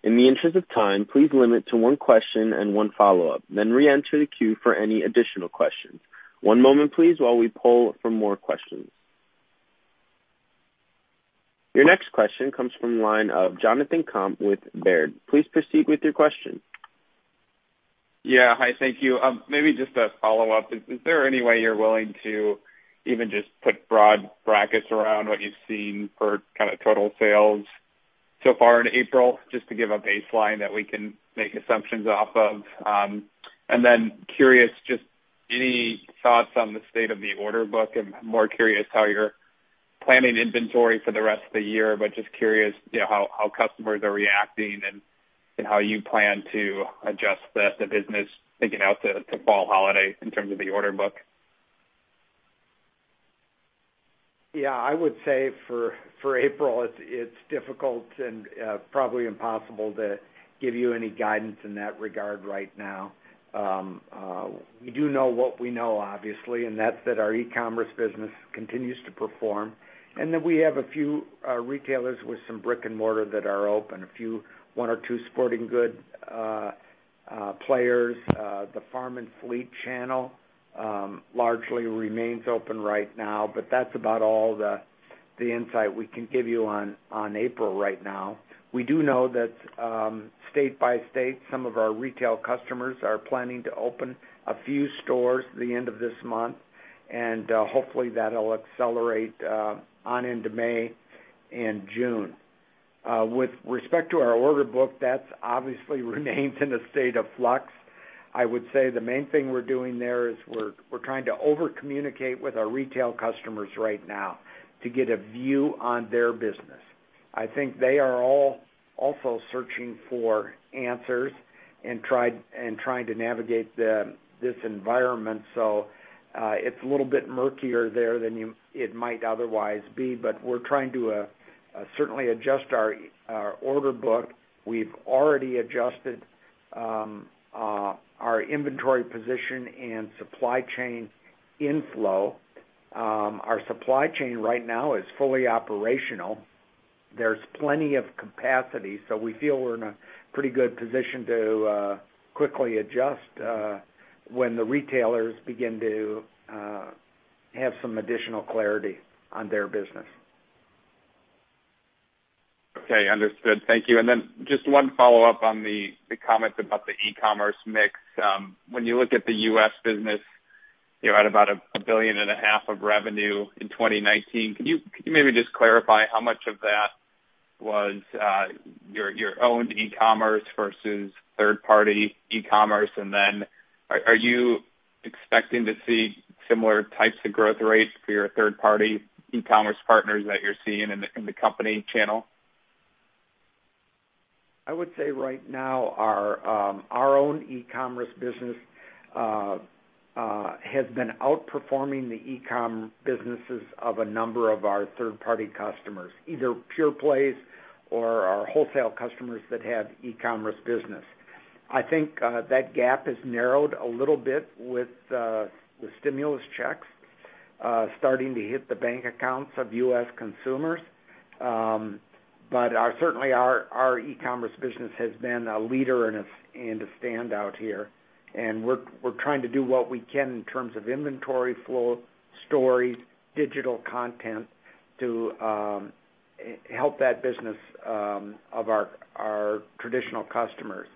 In the interest of time, please limit to one question and one follow-up, then reenter the queue for any additional questions. One moment, please, while we pull for more questions. Your next question comes from the line of Jonathan Komp with Baird. Please proceed with your question. Yeah. Hi, thank you. Maybe just a follow-up. Is there any way you're willing to even just put broad brackets around what you've seen for kind of total sales so far in April, just to give a baseline that we can make assumptions off of? And then curious, just any thoughts on the state of the order book, and more curious how you're planning inventory for the rest of the year, but just curious, you know, how customers are reacting and how you plan to adjust the business, thinking out to fall holiday in terms of the order book. Yeah, I would say for April, it's difficult and probably impossible to give you any guidance in that regard right now. We do know what we know, obviously, and that's that our e-commerce business continues to perform, and that we have a few retailers with some brick-and-mortar that are open, a few, one or two sporting good players. The farm and fleet channel largely remains open right now, but that's about all the insight we can give you on April right now. We do know that state by state, some of our retail customers are planning to open a few stores at the end of this month, and hopefully, that'll accelerate on into May and June. With respect to our order book, that obviously remains in a state of flux.... I would say the main thing we're doing there is we're trying to over communicate with our retail customers right now to get a view on their business. I think they are all also searching for answers and trying to navigate this environment. So, it's a little bit murkier there than it might otherwise be, but we're trying to certainly adjust our order book. We've already adjusted our inventory position and supply chain inflow. Our supply chain right now is fully operational. There's plenty of capacity, so we feel we're in a pretty good position to quickly adjust when the retailers begin to have some additional clarity on their business. Okay, understood. Thank you. And then just one follow-up on the comment about the e-commerce mix. When you look at the U.S. business, you're at about $1.5 billion of revenue in 2019. Can you maybe just clarify how much of that was your own e-commerce versus third-party e-commerce? And then are you expecting to see similar types of growth rates for your third-party e-commerce partners that you're seeing in the company channel? I would say right now, our own e-commerce business has been outperforming the e-com businesses of a number of our third-party customers, either pure plays or our wholesale customers that have e-commerce business. I think that gap has narrowed a little bit with the stimulus checks starting to hit the bank accounts of U.S. consumers. But our-- certainly, our e-commerce business has been a leader and a standout here, and we're trying to do what we can in terms of inventory flow, stories, digital content, to help that business of our traditional customers.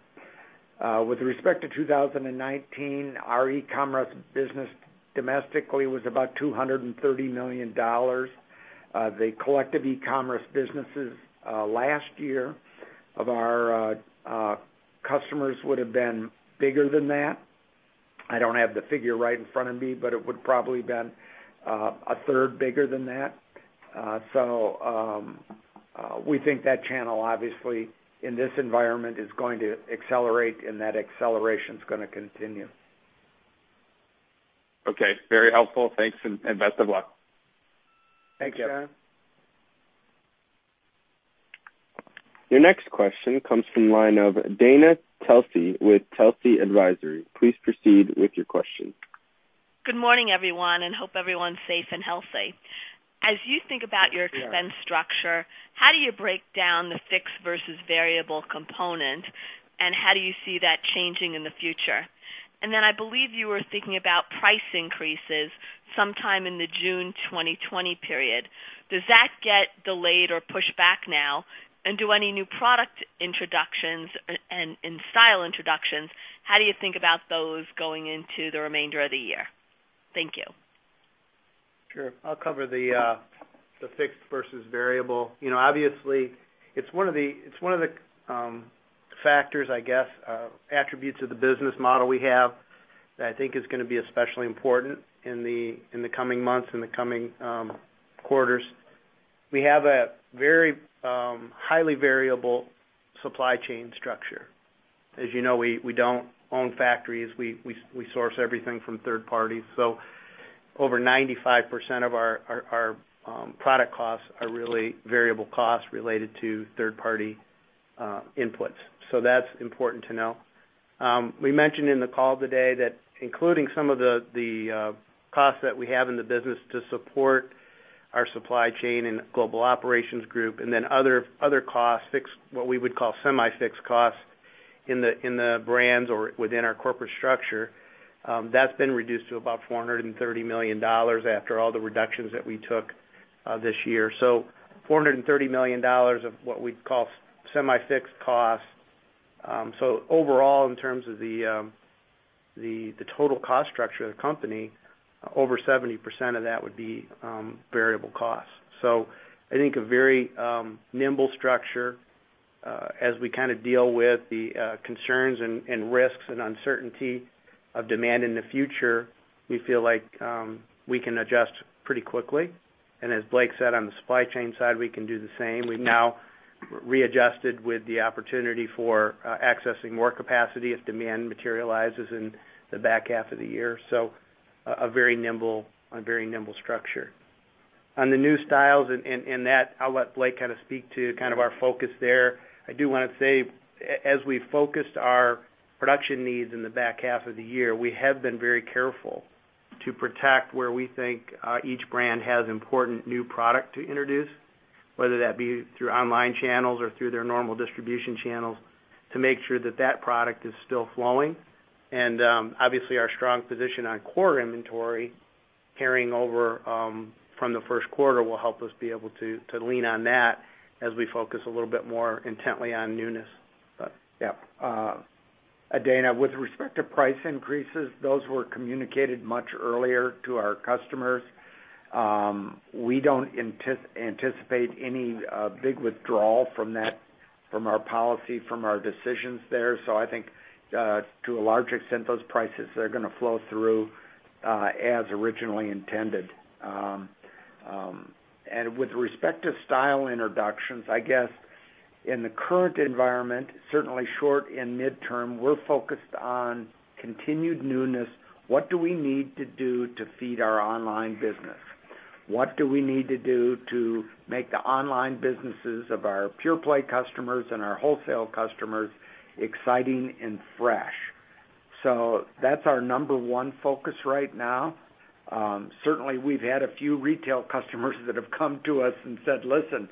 With respect to 2019, our e-commerce business domestically was about $230 million. The collective e-commerce businesses last year of our customers would have been bigger than that. I don't have the figure right in front of me, but it would probably been a third bigger than that. So, we think that channel, obviously, in this environment, is going to accelerate, and that acceleration is gonna continue. Okay. Very helpful. Thanks, and best of luck. Thanks, John. Your next question comes from the line of Dana Telsey with Telsey Advisory. Please proceed with your question. Good morning, everyone, and hope everyone's safe and healthy. As you think about your expense structure, how do you break down the fixed versus variable component, and how do you see that changing in the future? And then I believe you were thinking about price increases sometime in the June 2020 period. Does that get delayed or pushed back now? And do any new product introductions and style introductions, how do you think about those going into the remainder of the year? Thank you. Sure. I'll cover the fixed versus variable. You know, obviously, it's one of the factors, I guess, attributes of the business model we have that I think is gonna be especially important in the coming months, in the coming quarters. We have a very highly variable supply chain structure. As you know, we don't own factories. We source everything from third parties. So over 95% of our product costs are really variable costs related to third-party inputs. So that's important to know. We mentioned in the call today that including some of the costs that we have in the business to support our supply chain and Global Operations Group, and then other costs, fixed, what we would call semi-fixed costs, in the brands or within our corporate structure, that's been reduced to about $430 million after all the reductions that we took this year. So $430 million of what we'd call semi-fixed costs. So overall, in terms of the total cost structure of the company, over 70% of that would be variable costs. So I think a very nimble structure as we kind of deal with the concerns and risks and uncertainty of demand in the future, we feel like we can adjust pretty quickly. As Blake said, on the supply chain side, we can do the same. We've now readjusted with the opportunity for accessing more capacity if demand materializes in the back half of the year. So a very nimble structure. On the new styles and that, I'll let Blake kind of speak to kind of our focus there. I do want to say, as we focused our production needs in the back half of the year, we have been very careful to protect where we think each brand has important new product to introduce, whether that be through online channels or through their normal distribution channels, to make sure that that product is still flowing. Obviously, our strong position on core inventory carrying over from the first quarter will help us be able to lean on that as we focus a little bit more intently on newness. But yeah, Dana, with respect to price increases, those were communicated much earlier to our customers. We don't anticipate any big withdrawal from that, from our policy, from our decisions there. So I think, to a large extent, those prices are gonna flow through as originally intended. And with respect to style introductions, I guess in the current environment, certainly short and midterm, we're focused on continued newness. What do we need to do to feed our online business? What do we need to do to make the online businesses of our pure play customers and our wholesale customers exciting and fresh? So that's our number one focus right now. Certainly, we've had a few retail customers that have come to us and said, "Listen,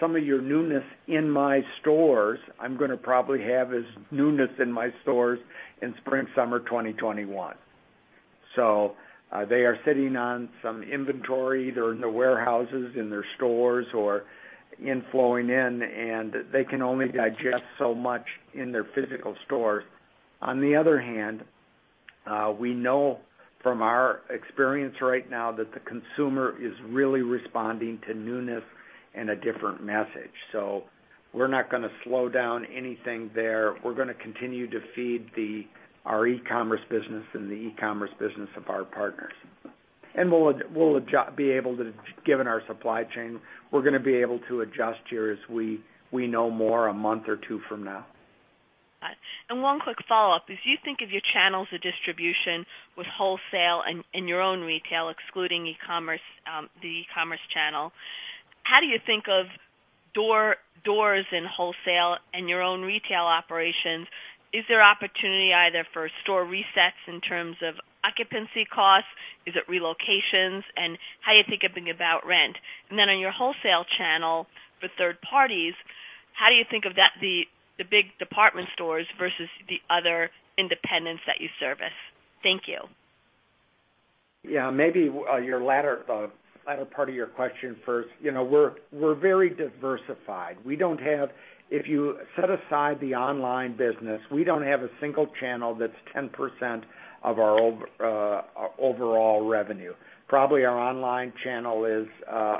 some of your newness in my stores, I'm gonna probably have as newness in my stores in spring, summer 2021." So, they are sitting on some inventory, either in the warehouses, in their stores, or in flowing in, and they can only digest so much in their physical stores. On the other hand, we know from our experience right now that the consumer is really responding to newness and a different message. So we're not gonna slow down anything there. We're gonna continue to feed the our e-commerce business and the e-commerce business of our partners. And we'll adjust, be able to... Given our supply chain, we're gonna be able to adjust here as we, we know more a month or two from now. Got it. And one quick follow-up. As you think of your channels of distribution with wholesale and your own retail, excluding e-commerce, the e-commerce channel, how do you think of doors and wholesale and your own retail operations? Is there opportunity either for store resets in terms of occupancy costs? Is it relocations? And how are you thinking about rent? And then on your wholesale channel for third parties, how do you think of that, the big department stores versus the other independents that you service? Thank you. Yeah, maybe your latter, latter part of your question first. You know, we're very diversified. We don't have, if you set aside the online business, we don't have a single channel that's 10% of our over, our overall revenue. Probably, our online channel is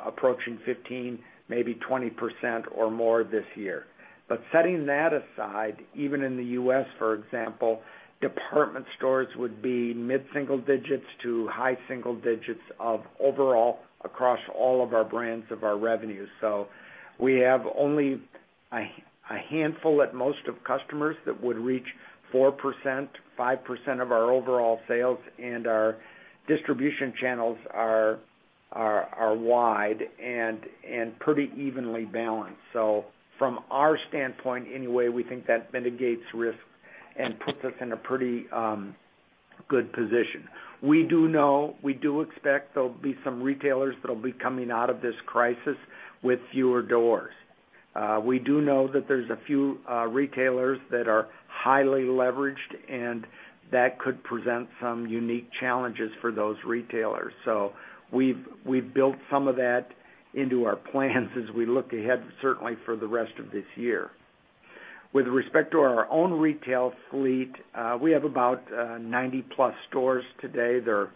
approaching 15%, maybe 20% or more this year. But setting that aside, even in the U.S., for example, department stores would be mid-single digits to high single digits of overall, across all of our brands of our revenue. So we have only a handful at most of customers that would reach 4%, 5% of our overall sales, and our distribution channels are wide and pretty evenly balanced. So from our standpoint, anyway, we think that mitigates risk and puts us in a pretty good position. We do know, we do expect there'll be some retailers that'll be coming out of this crisis with fewer doors. We do know that there's a few retailers that are highly leveraged, and that could present some unique challenges for those retailers. So we've built some of that into our plans as we look ahead, certainly for the rest of this year. With respect to our own retail fleet, we have about 90+ stores today. They're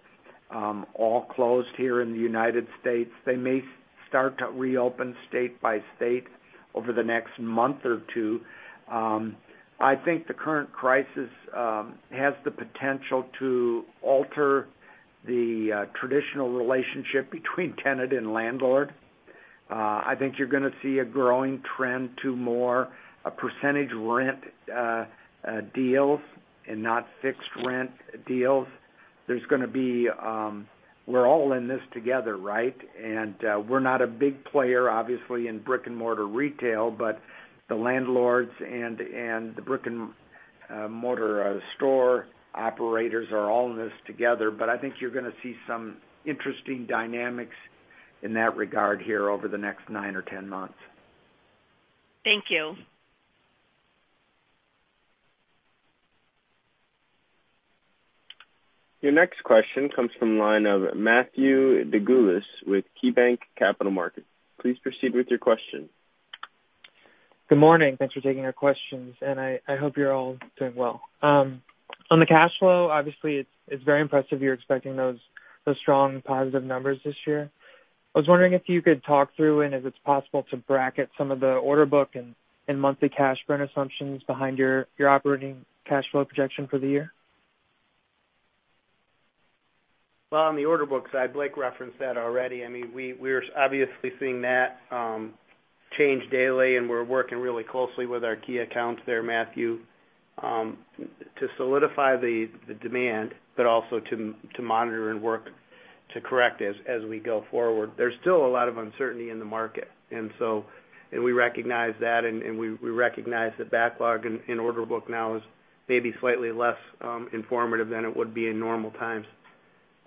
all closed here in the United States. They may start to reopen state by state over the next month or two. I think the current crisis has the potential to alter the traditional relationship between tenant and landlord. I think you're gonna see a growing trend to more a percentage rent deals and not fixed rent deals. There's gonna be... We're all in this together, right? And, we're not a big player, obviously, in brick-and-mortar retail, but the landlords and, and the brick-and-mortar, store operators are all in this together. But I think you're gonna see some interesting dynamics in that regard here over the next 9 or 10 months. Thank you. Your next question comes from the line of Matthew DeGulis with KeyBanc Capital Markets. Please proceed with your question. Good morning. Thanks for taking our questions, and I, I hope you're all doing well. On the cash flow, obviously, it's, it's very impressive. You're expecting those, those strong positive numbers this year. I was wondering if you could talk through, and if it's possible, to bracket some of the order book and, and monthly cash burn assumptions behind your, your operating cash flow projection for the year. Well, on the order book side, Blake referenced that already. I mean, we're obviously seeing that change daily, and we're working really closely with our key accounts there, Matthew, to solidify the demand, but also to monitor and work to correct as we go forward. There's still a lot of uncertainty in the market, and so, and we recognize that, and we recognize that backlog in order book now is maybe slightly less informative than it would be in normal times.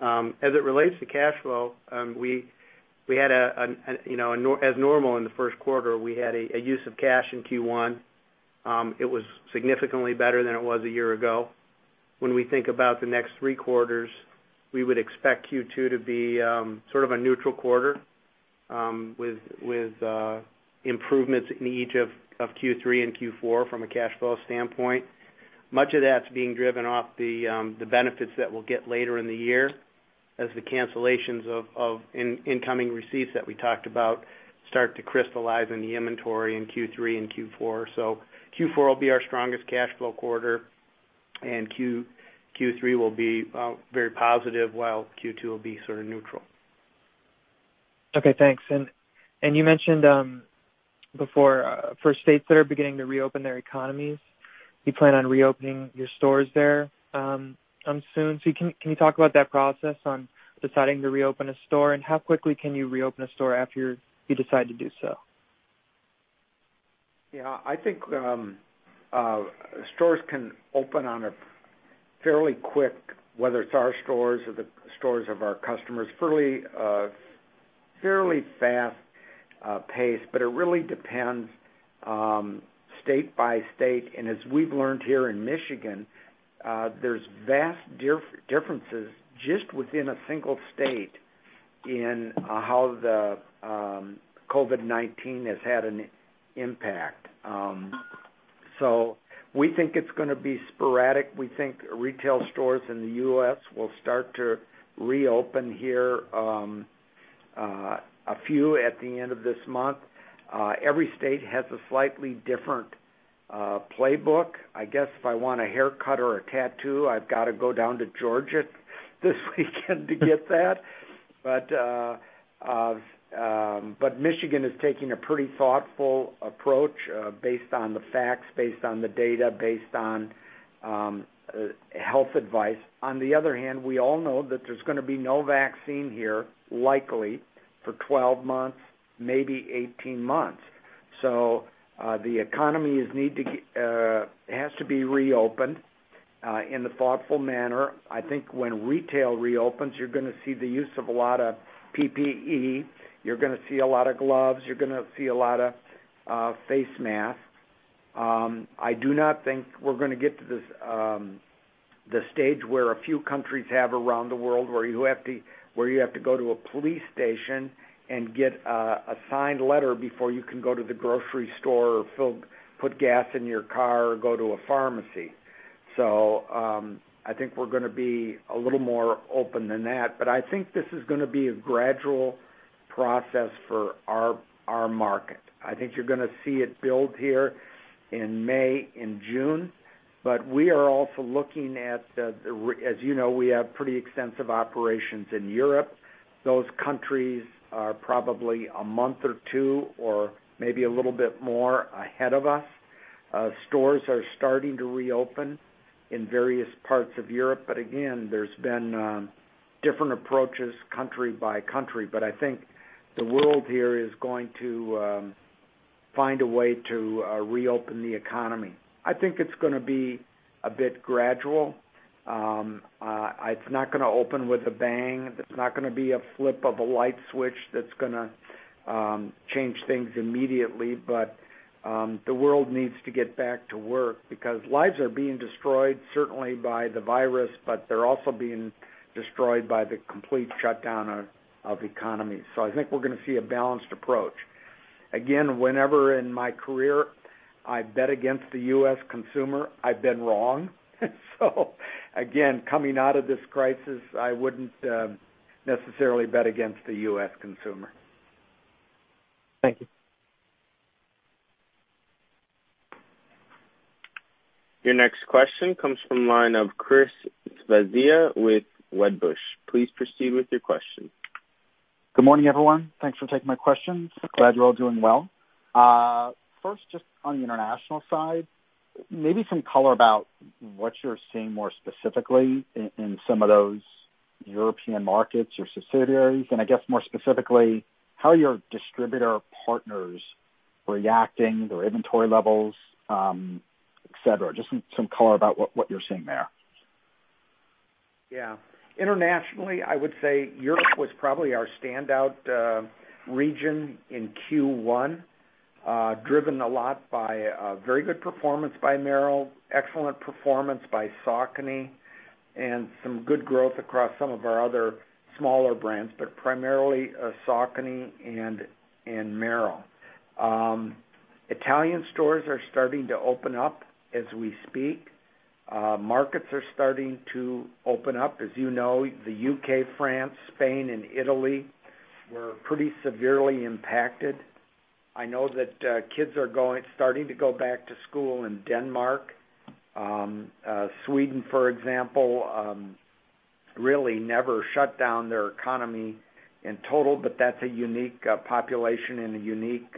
As it relates to cash flow, we had, you know, as normal in the first quarter, a use of cash in Q1. It was significantly better than it was a year ago. When we think about the next three quarters, we would expect Q2 to be, sort of a neutral quarter.... with improvements in each of Q3 and Q4 from a cash flow standpoint. Much of that's being driven off the benefits that we'll get later in the year as the cancellations of incoming receipts that we talked about start to crystallize in the inventory in Q3 and Q4. So Q4 will be our strongest cash flow quarter, and Q3 will be very positive, while Q2 will be sort of neutral. Okay, thanks. And you mentioned before for states that are beginning to reopen their economies, you plan on reopening your stores there soon. So can you talk about that process on deciding to reopen a store? And how quickly can you reopen a store after you decide to do so? Yeah, I think stores can open on a fairly quick, whether it's our stores or the stores of our customers, fairly, fairly fast pace, but it really depends state by state. And as we've learned here in Michigan, there's vast differences just within a single state in how the COVID-19 has had an impact. So we think it's gonna be sporadic. We think retail stores in the U.S. will start to reopen here a few at the end of this month. Every state has a slightly different playbook. I guess if I want a haircut or a tattoo, I've got to go down to Georgia this weekend to get that. But Michigan is taking a pretty thoughtful approach based on the facts, based on the data, based on health advice. On the other hand, we all know that there's gonna be no vaccine here, likely for 12 months, maybe 18 months. So, the economies has to be reopened in a thoughtful manner. I think when retail reopens, you're gonna see the use of a lot of PPE. You're gonna see a lot of gloves. You're gonna see a lot of face masks. I do not think we're gonna get to the stage where a few countries have around the world, where you have to go to a police station and get a signed letter before you can go to the grocery store or put gas in your car or go to a pharmacy. I think we're gonna be a little more open than that, but I think this is gonna be a gradual process for our market. I think you're gonna see it build here in May and June, but we are also looking at the reopening, as you know, we have pretty extensive operations in Europe. Those countries are probably a month or two, or maybe a little bit more ahead of us. Stores are starting to reopen in various parts of Europe, but again, there's been different approaches country by country. But I think the world here is going to find a way to reopen the economy. I think it's gonna be a bit gradual. It's not gonna open with a bang. There's not gonna be a flip of a light switch that's gonna change things immediately. But, the world needs to get back to work because lives are being destroyed, certainly by the virus, but they're also being destroyed by the complete shutdown of economies. So I think we're gonna see a balanced approach. Again, whenever in my career I bet against the U.S. consumer, I've been wrong. So again, coming out of this crisis, I wouldn't necessarily bet against the U.S. consumer. Thank you. Your next question comes from the line of Chris Svezia with Wedbush. Please proceed with your question. Good morning, everyone. Thanks for taking my questions. Glad you're all doing well. First, just on the international side, maybe some color about what you're seeing more specifically in, in some of those European markets or subsidiaries, and I guess more specifically, how are your distributor partners reacting, their inventory levels, et cetera? Just some, some color about what, what you're seeing there. Yeah. Internationally, I would say Europe was probably our standout region in Q1, driven a lot by very good performance by Merrell, excellent performance by Saucony, and some good growth across some of our other smaller brands, but primarily Saucony and Merrell. Italian stores are starting to open up as we speak. Markets are starting to open up. As you know, the UK, France, Spain, and Italy were pretty severely impacted. I know that kids are starting to go back to school in Denmark. Sweden, for example, really never shut down their economy in total, but that's a unique population and a unique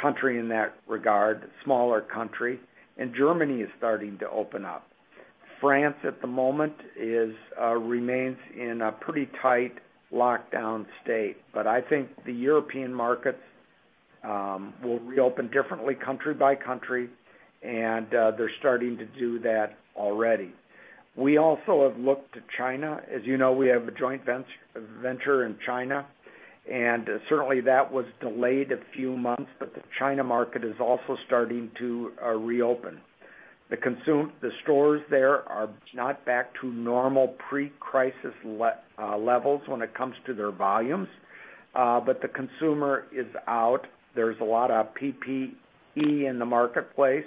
country in that regard, smaller country. Germany is starting to open up. France, at the moment, remains in a pretty tight lockdown state. But I think the European markets will reopen differently country by country, and they're starting to do that already. We also have looked to China. As you know, we have a joint venture in China, and certainly, that was delayed a few months, but the China market is also starting to reopen. The stores there are not back to normal pre-crisis levels when it comes to their volumes. But the consumer is out. There's a lot of PPE in the marketplace.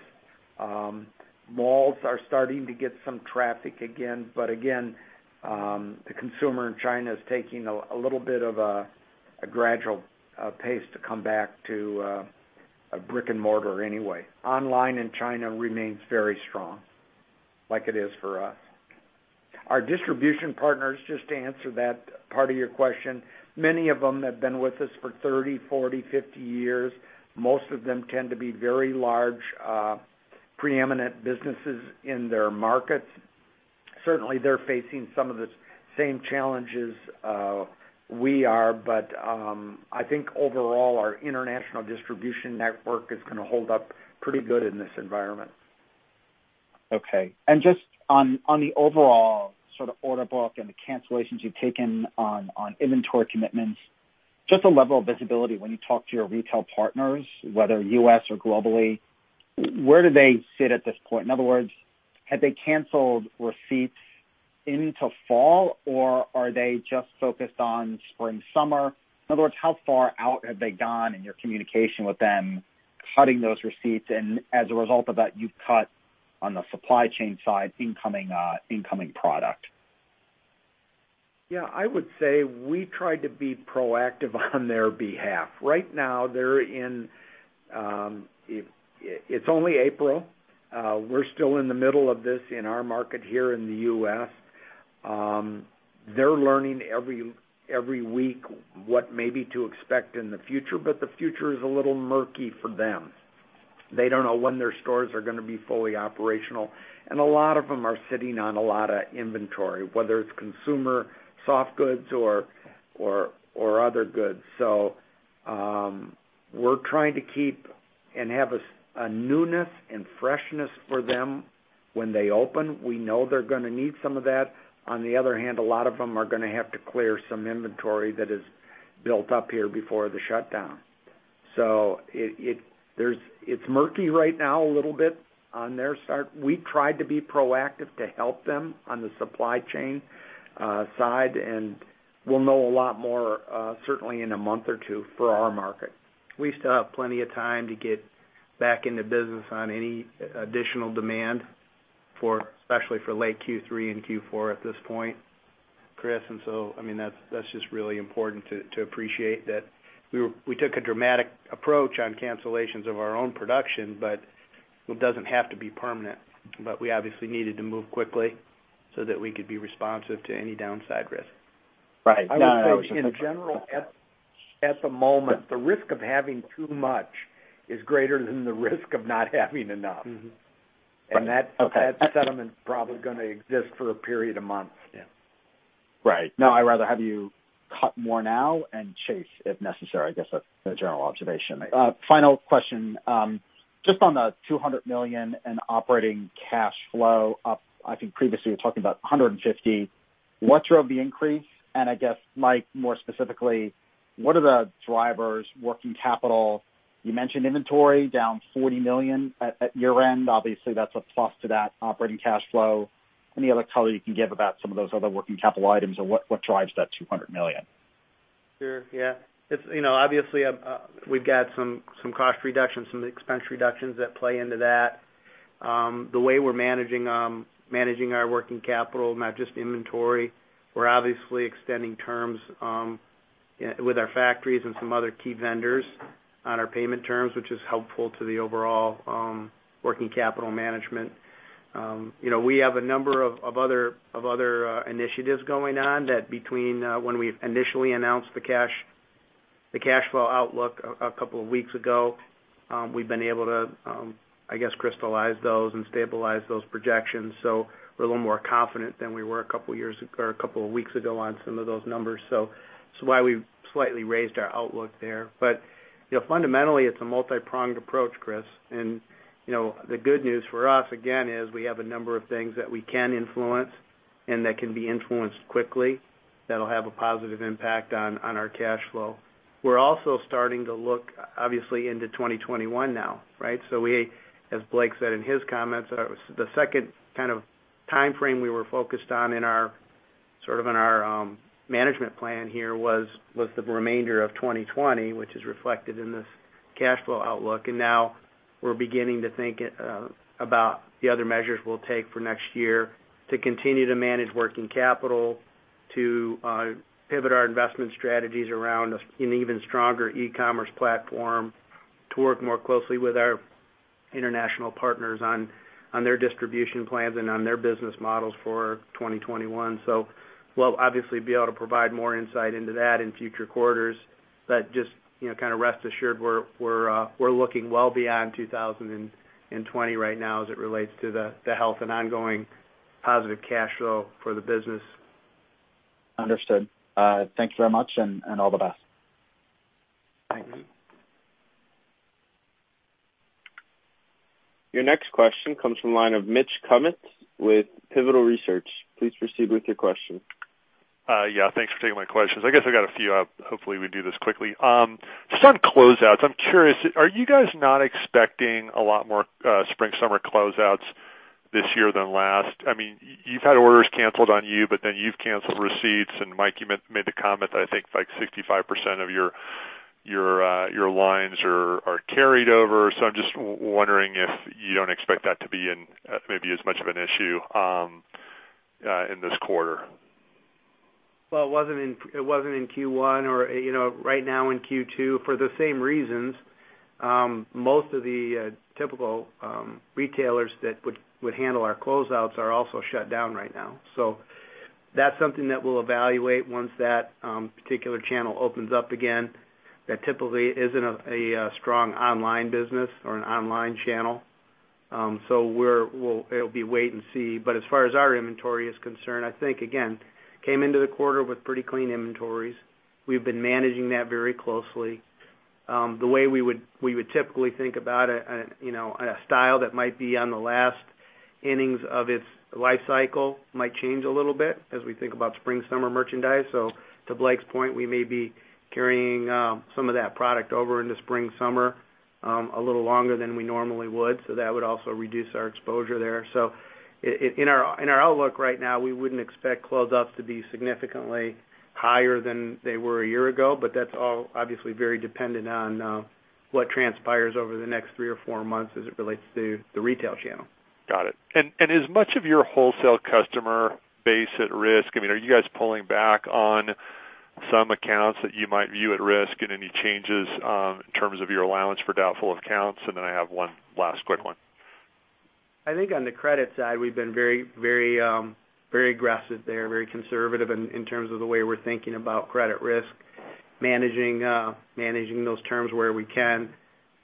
Malls are starting to get some traffic again, but again, the consumer in China is taking a little bit of a gradual pace to come back to a brick-and-mortar anyway. Online in China remains very strong, like it is for us. Our distribution partners, just to answer that part of your question, many of them have been with us for 30, 40, 50 years. Most of them tend to be very large, preeminent businesses in their markets. Certainly, they're facing some of the same challenges we are. But, I think overall, our international distribution network is gonna hold up pretty good in this environment. Okay. And just on the overall sort of order book and the cancellations you've taken on inventory commitments, just a level of visibility. When you talk to your retail partners, whether U.S. or globally, where do they sit at this point? In other words, have they canceled receipts into fall, or are they just focused on spring, summer? In other words, how far out have they gone in your communication with them, cutting those receipts, and as a result of that, you've cut on the supply chain side, incoming product? Yeah, I would say we tried to be proactive on their behalf. Right now, they're in it, it's only April. We're still in the middle of this in our market here in the U.S. They're learning every week what maybe to expect in the future, but the future is a little murky for them. They don't know when their stores are gonna be fully operational, and a lot of them are sitting on a lot of inventory, whether it's consumer soft goods or other goods. So, we're trying to keep and have a newness and freshness for them when they open. We know they're gonna need some of that. On the other hand, a lot of them are gonna have to clear some inventory that is built up here before the shutdown. So it's murky right now, a little bit on their start. We tried to be proactive to help them on the supply chain side, and we'll know a lot more, certainly in a month or two for our market. We still have plenty of time to get back into business on any additional demand for, especially for late Q3 and Q4 at this point, Chris. And so, I mean, that's, that's just really important to, to appreciate that we were, we took a dramatic approach on cancellations of our own production, but it doesn't have to be permanent. But we obviously needed to move quickly so that we could be responsive to any downside risk. Right. No, I understand. I would say, in general, at the moment, the risk of having too much is greater than the risk of not having enough. And that- Okay. That settlement is probably gonna exist for a period of months. Yeah. Right. No, I'd rather have you cut more now and chase, if necessary. I guess that's a general observation. Final question, just on the $200 million in operating cash flow up, I think previously you were talking about $150. What drove the increase? And I guess, Mike, more specifically, what are the drivers, working capital? You mentioned inventory down $40 million at year-end. Obviously, that's a plus to that operating cash flow. Any other color you can give about some of those other working capital items and what drives that $200 million? Sure, yeah. It's, you know, obviously, we've got some cost reductions, some expense reductions that play into that. The way we're managing our working capital, not just inventory, we're obviously extending terms with our factories and some other key vendors on our payment terms, which is helpful to the overall working capital management. You know, we have a number of other initiatives going on that between when we initially announced the cash flow outlook a couple of weeks ago, we've been able to, I guess, crystallize those and stabilize those projections. So we're a little more confident than we were a couple of weeks ago on some of those numbers. So that's why we've slightly raised our outlook there. But, you know, fundamentally, it's a multipronged approach, Chris. And, you know, the good news for us, again, is we have a number of things that we can influence and that can be influenced quickly, that'll have a positive impact on our cash flow. We're also starting to look obviously into 2021 now, right? So we, as Blake said in his comments, the second kind of timeframe we were focused on in our sort of management plan here was the remainder of 2020, which is reflected in this cash flow outlook. Now we're beginning to think about the other measures we'll take for next year to continue to manage working capital, to pivot our investment strategies around us in an even stronger e-commerce platform, to work more closely with our international partners on their distribution plans and on their business models for 2021. We'll obviously be able to provide more insight into that in future quarters, but just, you know, kind of rest assured, we're looking well beyond 2020 right now as it relates to the health and ongoing positive cash flow for the business. Understood. Thank you very much, and, and all the best. Thanks. Your next question comes from the line of Mitch Kummetz with Pivotal Research. Please proceed with your question. ... Yeah, thanks for taking my questions. I guess I got a few up. Hopefully, we do this quickly. Just on closeouts, I'm curious, are you guys not expecting a lot more spring, summer closeouts this year than last? I mean, you've had orders canceled on you, but then you've canceled receipts, and Mike, you made the comment that I think like 65% of your lines are carried over. So I'm just wondering if you don't expect that to be in maybe as much of an issue in this quarter. Well, it wasn't in, it wasn't in Q1 or, you know, right now in Q2. For the same reasons, most of the typical retailers that would, would handle our closeouts are also shut down right now. So that's something that we'll evaluate once that particular channel opens up again. That typically isn't a strong online business or an online channel. So we're - we'll - it'll be wait and see. But as far as our inventory is concerned, I think, again, came into the quarter with pretty clean inventories. We've been managing that very closely. The way we would, we would typically think about it, and, you know, a style that might be on the last innings of its life cycle might change a little bit as we think about spring, summer merchandise. So to Blake's point, we may be carrying some of that product over into spring, summer, a little longer than we normally would, so that would also reduce our exposure there. So in our, in our outlook right now, we wouldn't expect closeouts to be significantly higher than they were a year ago, but that's all obviously very dependent on what transpires over the next three or four months as it relates to the retail channel. Got it. And is much of your wholesale customer base at risk? I mean, are you guys pulling back on some accounts that you might view at risk and any changes in terms of your allowance for doubtful accounts? And then I have one last quick one. I think on the credit side, we've been very, very, very aggressive there, very conservative in terms of the way we're thinking about credit risk, managing, managing those terms where we can.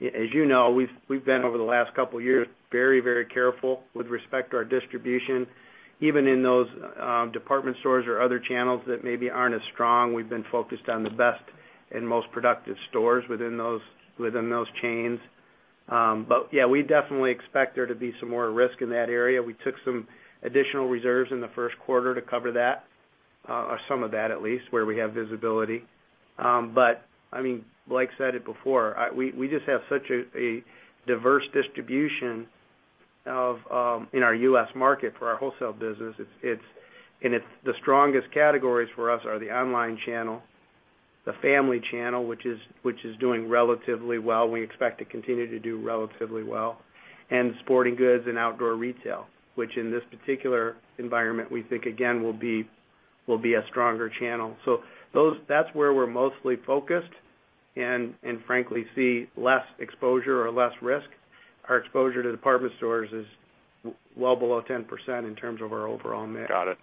As you know, we've been, over the last couple of years, very, very careful with respect to our distribution. Even in those department stores or other channels that maybe aren't as strong, we've been focused on the best and most productive stores within those chains. But yeah, we definitely expect there to be some more risk in that area. We took some additional reserves in the first quarter to cover that, or some of that, at least, where we have visibility. But, I mean, Blake said it before, we just have such a diverse distribution in our U.S. market for our wholesale business. It's the strongest categories for us are the online channel, the family channel, which is doing relatively well. We expect to continue to do relatively well, and sporting goods and outdoor retail, which in this particular environment, we think again, will be a stronger channel. So that's where we're mostly focused and frankly see less exposure or less risk. Our exposure to department stores is well below 10% in terms of our overall mix. Got it.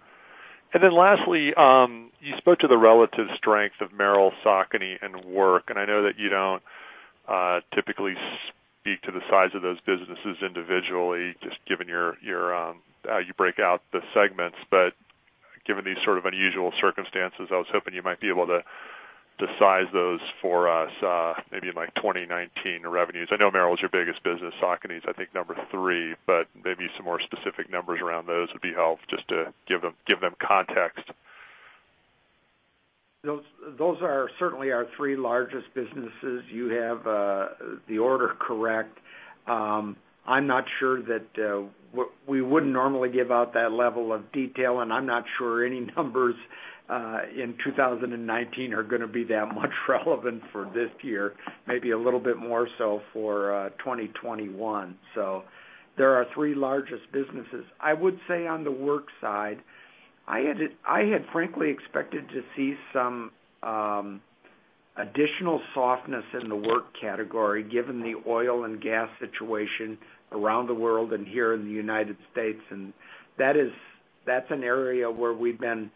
And then lastly, you spoke to the relative strength of Merrell, Saucony, and Work, and I know that you don't typically speak to the size of those businesses individually, just given your, your how you break out the segments. But given these sort of unusual circumstances, I was hoping you might be able to size those for us, maybe in, like, 2019 revenues. I know Merrell is your biggest business. Saucony is, I think, number three, but maybe some more specific numbers around those would be helpful, just to give them, give them context. Those are certainly our three largest businesses. You have the order correct. I'm not sure that we wouldn't normally give out that level of detail, and I'm not sure any numbers in 2019 are gonna be that much relevant for this year. Maybe a little bit more so for 2021. So there are our three largest businesses. I would say on the work side, I had frankly expected to see some additional softness in the work category, given the oil and gas situation around the world and here in the United States. And that is - that's an area where we've been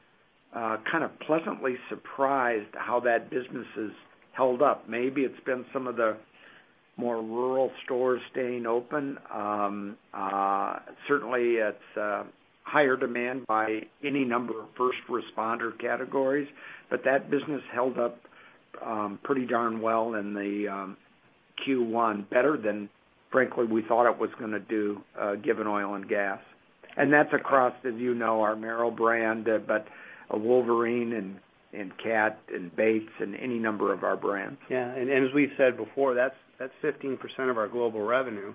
kind of pleasantly surprised how that business has held up. Maybe it's been some of the more rural stores staying open. Certainly, it's higher demand by any number of first responder categories. But that business held up pretty darn well in the Q1, better than, frankly, we thought it was gonna do, given oil and gas. And that's across, as you know, our Merrell brand, but Wolverine and Cat and Bates and any number of our brands. Yeah, and as we've said before, that's 15% of our global revenue,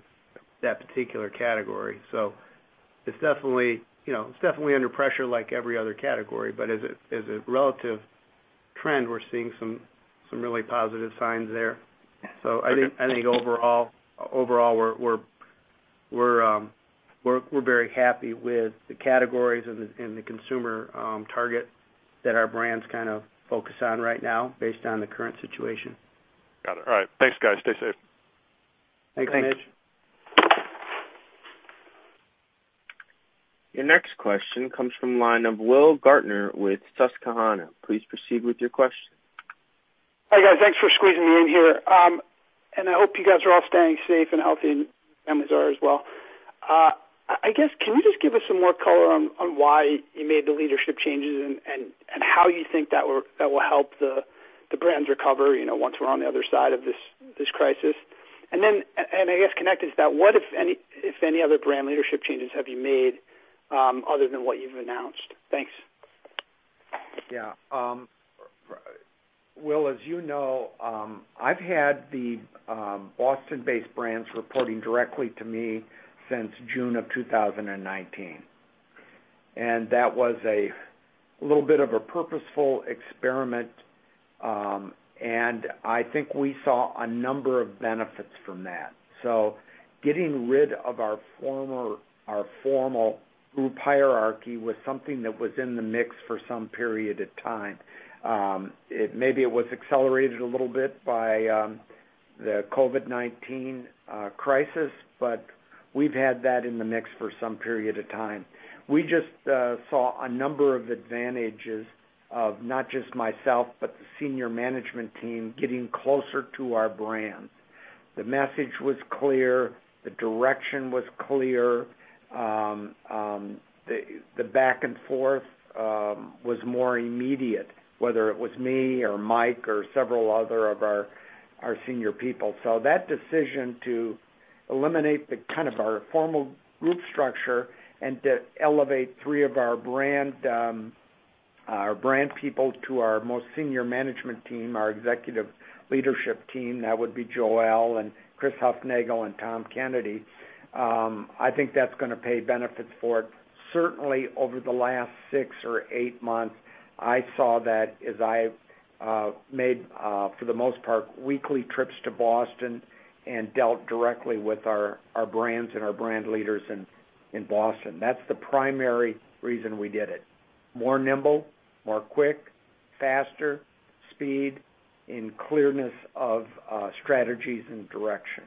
that particular category. So it's definitely, you know, it's definitely under pressure like every other category, but as a relative trend, we're seeing some really positive signs there. Okay. So, I think overall we're very happy with the categories and the consumer target that our brands kind of focus on right now based on the current situation. Got it. All right. Thanks, guys. Stay safe. Thanks, Mitch. Thanks. Your next question comes from the line of Will Gaertner with Susquehanna. Please proceed with your question. Hi, guys. Thanks for squeezing me in here. And I hope you guys are all staying safe and healthy, and families are as well. I guess, can you just give us some more color on why you made the leadership changes and how you think that will help the brands recover, you know, once we're on the other side of this crisis? And then, I guess connected to that, what, if any, other brand leadership changes have you made, other than what you've announced? Thanks. Yeah. Will, as you know, I've had the Boston-based brands reporting directly to me since June of 2019, and that was a little bit of a purposeful experiment, and I think we saw a number of benefits from that. So getting rid of our former, our formal group hierarchy was something that was in the mix for some period of time. It maybe was accelerated a little bit by the COVID-19 crisis, but we've had that in the mix for some period of time. We just saw a number of advantages of not just myself, but the senior management team getting closer to our brands. The message was clear, the direction was clear, the back and forth was more immediate, whether it was me or Mike or several other of our senior people. So that decision to eliminate the kind of our formal group structure and to elevate three of our brand, our brand people to our most senior management team, our executive leadership team, that would be Joelle and Chris Hufnagel and Tom Kennedy, I think that's gonna pay benefits for it. Certainly, over the last six or eight months, I saw that as I made, for the most part, weekly trips to Boston and dealt directly with our, our brands and our brand leaders in, in Boston. That's the primary reason we did it. More nimble, more quick, faster, speed, and clearness of, strategies and direction.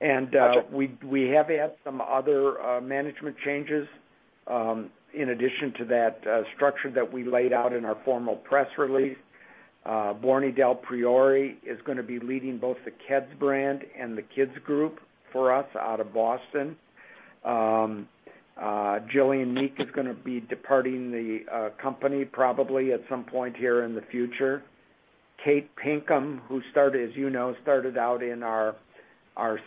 Gotcha. We have had some other management changes in addition to that structure that we laid out in our formal press release. Bornie Del Priore is gonna be leading both the Keds brand and the Kids Group for us out of Boston. Gillian Meek is gonna be departing the company probably at some point here in the future. Kate Pinkham, who started, as you know, started out in our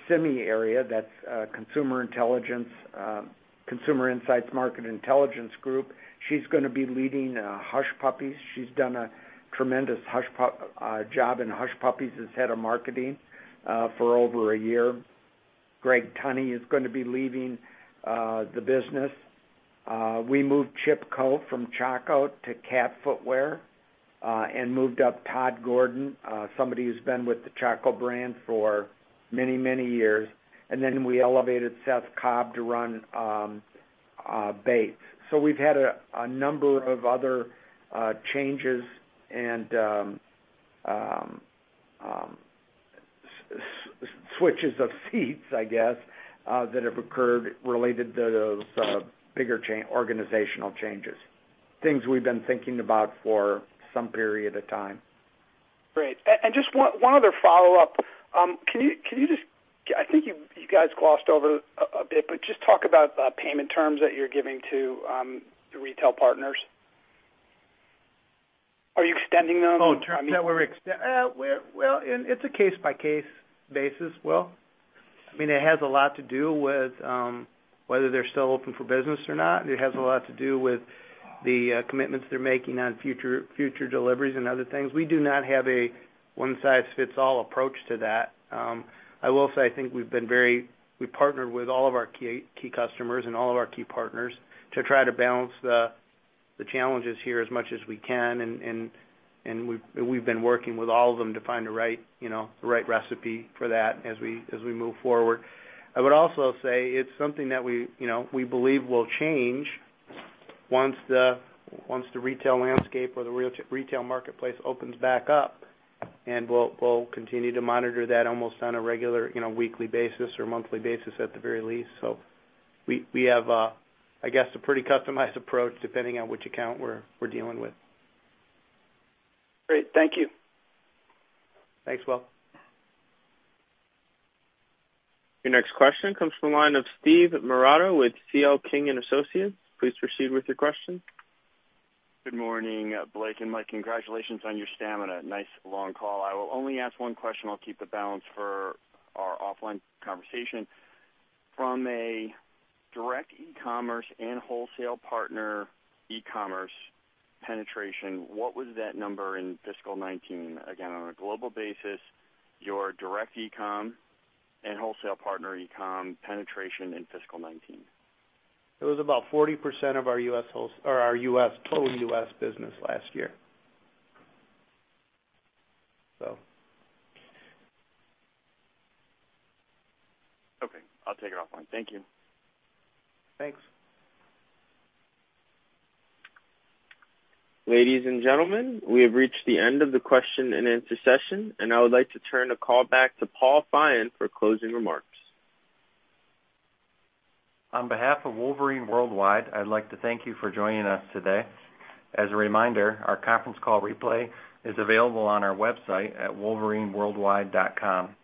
CIMI area, that's Consumer Insights and Market Intelligence Group. She's gonna be leading Hush Puppies. She's done a tremendous job in Hush Puppies as head of marketing for over a year. Greg Tunney is gonna be leaving the business. We moved Chip Coe from Chaco to Cat Footwear, and moved up Todd Gordon, somebody who's been with the Chaco brand for many, many years. And then we elevated Seth Cobb to run Bates. So we've had a number of other changes and switches of seats, I guess, that have occurred related to those bigger organizational changes, things we've been thinking about for some period of time. Great. And just one other follow-up. Can you just... I think you guys glossed over a bit, but just talk about payment terms that you're giving to the retail partners. Are you extending them? Well, it's a case-by-case basis, Will. I mean, it has a lot to do with whether they're still open for business or not. It has a lot to do with the commitments they're making on future deliveries and other things. We do not have a one-size-fits-all approach to that. I will say, I think we've partnered with all of our key customers and all of our key partners to try to balance the challenges here as much as we can, and we've been working with all of them to find the right, you know, the right recipe for that as we move forward. I would also say it's something that we, you know, we believe will change once the retail landscape or the retail marketplace opens back up, and we'll continue to monitor that almost on a regular, you know, weekly basis or monthly basis, at the very least. So we have, I guess, a pretty customized approach, depending on which account we're dealing with. Great. Thank you. Thanks, Will. Your next question comes from the line of Steve Marotta with C.L. King & Associates. Please proceed with your question. Good morning, Blake and Mike. Congratulations on your stamina. Nice long call. I will only ask one question. I'll keep the balance for our offline conversation. From a direct e-commerce and wholesale partner, e-commerce penetration, what was that number in fiscal 2019? Again, on a global basis, your direct e-com and wholesale partner e-com penetration in fiscal 2019. It was about 40% of our U.S. wholesale or our U.S., total U.S. business last year. So... Okay, I'll take it offline. Thank you. Thanks. Ladies and gentlemen, we have reached the end of the question-and-answer session, and I would like to turn the call back to Paul Feyen for closing remarks. On behalf of Wolverine Worldwide, I'd like to thank you for joining us today. As a reminder, our conference call replay is available on our website at wolverineworldwide.com.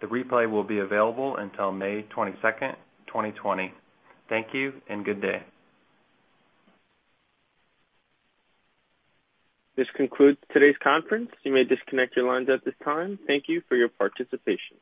The replay will be available until May 22, 2020. Thank you and good day. This concludes today's conference. You may disconnect your lines at this time. Thank you for your participation.